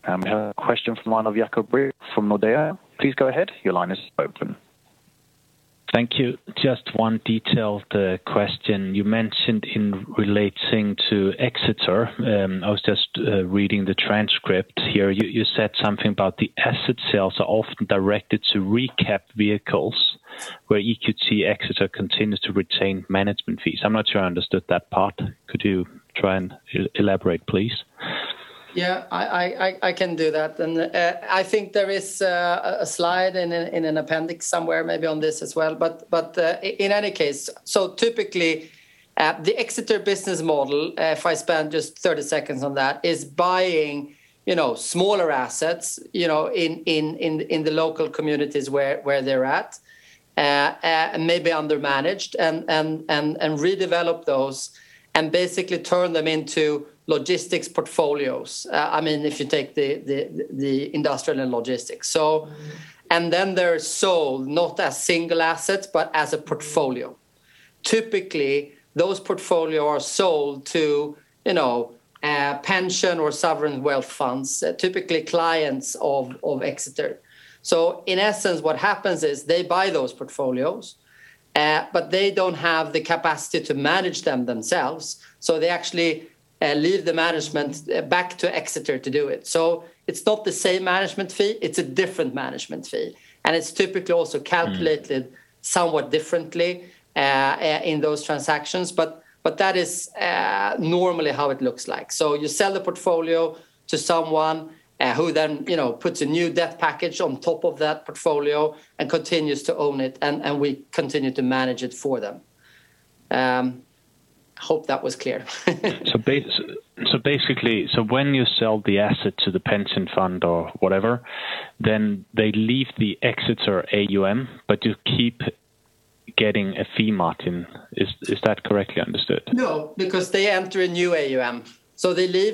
We have a question from line of Jakob Brink from Nordea. Please go ahead. Thank you. Just one detailed question. You mentioned in relating to Exeter, I was just reading the transcript here. You said something about the asset sales are often directed to recap vehicles where EQT Exeter continues to retain management fees. I'm not sure I understood that part. Could you try and elaborate, please? Yeah. I can do that. I think there is a slide in an appendix somewhere maybe on this as well. In any case. Typically, the Exeter business model, if I spend just 30 seconds on that, is buying smaller assets in the local communities where they're at and maybe under-managed and redevelop those and basically turn them into logistics portfolios. If you take the industrial and logistics. Then they're sold not as single assets, but as a portfolio. Typically, those portfolio are sold to pension or sovereign wealth funds, typically clients of Exeter. In essence, what happens is they buy those portfolios, they don't have the capacity to manage them themselves, they actually leave the management back to Exeter to do it. It's not the same management fee, it's a different management fee, and it's typically also calculated somewhat differently in those transactions. That is normally how it looks like. You sell the portfolio to someone who then puts a new debt package on top of that portfolio and continues to own it, and we continue to manage it for them. Hope that was clear. Basically, so when you sell the asset to the pension fund or whatever, then they leave the Exeter AUM, but you keep getting a fee margin. Is that correctly understood? Because they enter a new AUM. Okay.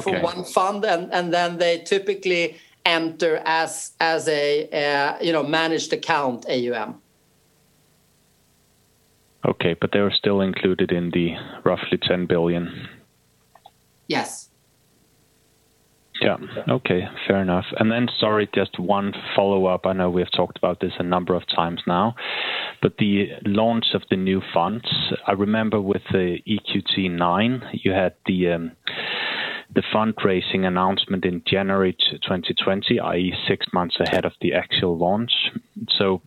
For one fund and then they typically enter as a managed account AUM. Okay. They are still included in the roughly 10 billion? Yes. Yeah. Okay. Fair enough. Sorry, just one follow-up. I know we have talked about this a number of times now, but the launch of the new funds, I remember with the EQT IX, you had the fundraising announcement in January 2020, i.e., six months ahead of the actual launch.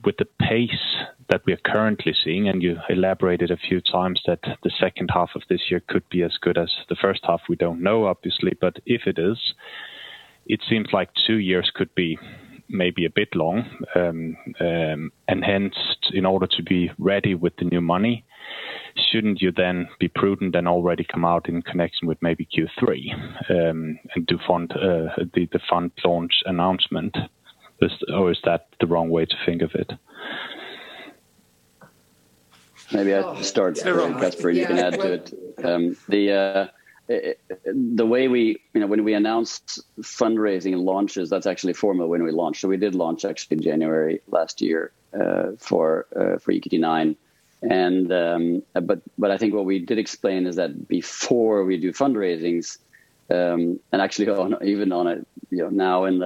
With the pace that we are currently seeing, and you elaborated a few times that the second half of this year could be as good as the first half. We don't know obviously, but if it is, it seems like two years could be maybe a bit long. Hence, in order to be ready with the new money, shouldn't you then be prudent and already come out in connection with maybe Q3, and do the fund launch announcement? Is that the wrong way to think of it? Maybe I start, and Caspar, you can add to it. When we announced fundraising launches, that's actually formal when we launch. We did launch actually in January last year, for EQT IX. I think what we did explain is that before we do fundraisings, and actually even on it now in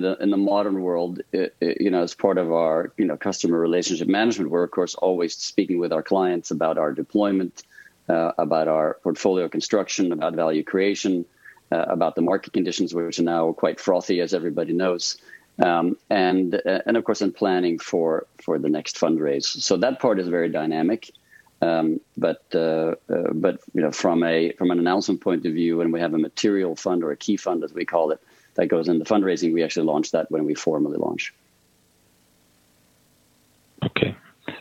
the modern world, as part of our customer relationship management, we're of course always speaking with our clients about our deployment, about our portfolio construction, about value creation, about the market conditions, which are now quite frothy, as everybody knows. Of course in planning for the next fundraise. That part is very dynamic. From an announcement point of view when we have a material fund or a key fund as we call it, that goes into fundraising, we actually launch that when we formally launch.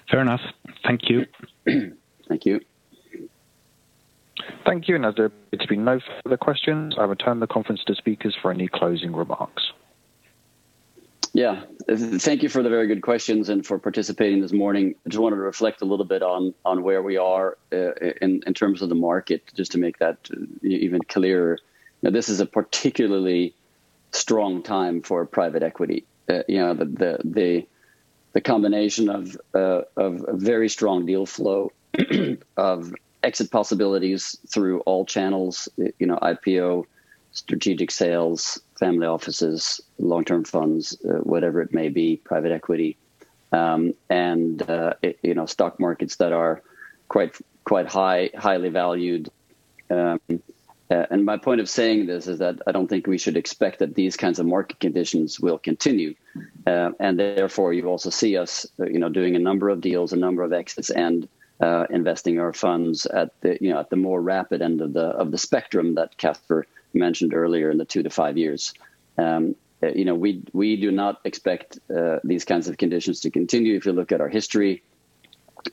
Fair enough. Thank you. Thank you. Thank you. As there's been no further questions, I return the conference to speakers for any closing remarks. Yeah. Thank you for the very good questions and for participating this morning. I just wanted to reflect a little bit on where we are in terms of the market, just to make that even clearer. This is a particularly strong time for private equity. The combination of a very strong deal flow of exit possibilities through all channels, IPO, strategic sales, family offices, long-term funds, whatever it may be, private equity, and stock markets that are quite highly valued. My point of saying this is that I don't think we should expect that these kinds of market conditions will continue. Therefore, you also see us doing a number of deals, a number of exits, and investing our funds at the more rapid end of the spectrum that Caspar mentioned earlier in the two to five years. We do not expect these kinds of conditions to continue. If you look at our history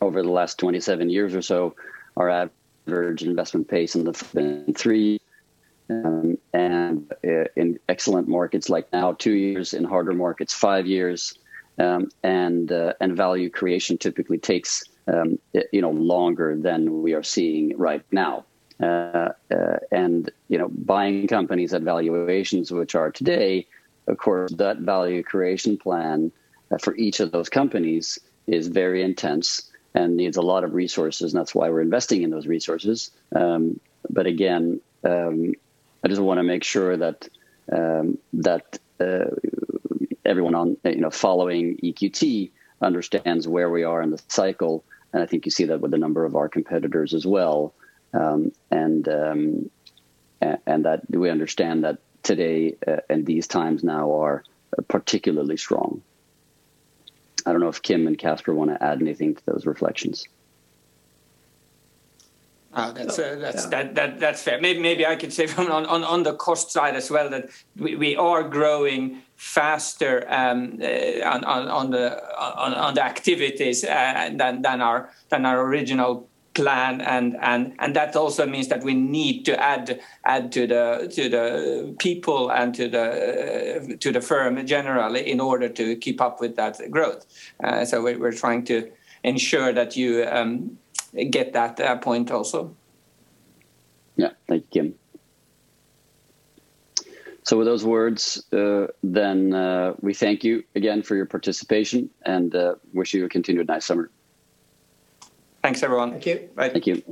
over the last 27 years or so, our average investment pace in the three, and in excellent markets like now two years, in harder markets five years, and value creation typically takes longer than we are seeing right now. Buying companies at valuations which are today, of course, that value creation plan for each of those companies is very intense and needs a lot of resources, and that's why we're investing in those resources. Again, I just want to make sure that everyone following EQT understands where we are in the cycle, and I think you see that with a number of our competitors as well, and that we understand that today and these times now are particularly strong. I don't know if Kim and Caspar want to add anything to those reflections. That's fair. Maybe I could say on the cost side as well that we are growing faster on the activities than our original plan, that also means that we need to add to the people and to the firm generally in order to keep up with that growth. We're trying to ensure that you get that point also. Yeah. Thank you, Kim. With those words, then we thank you again for your participation and wish you a continued nice summer. Thanks, everyone. Thank you. Bye. Thank you.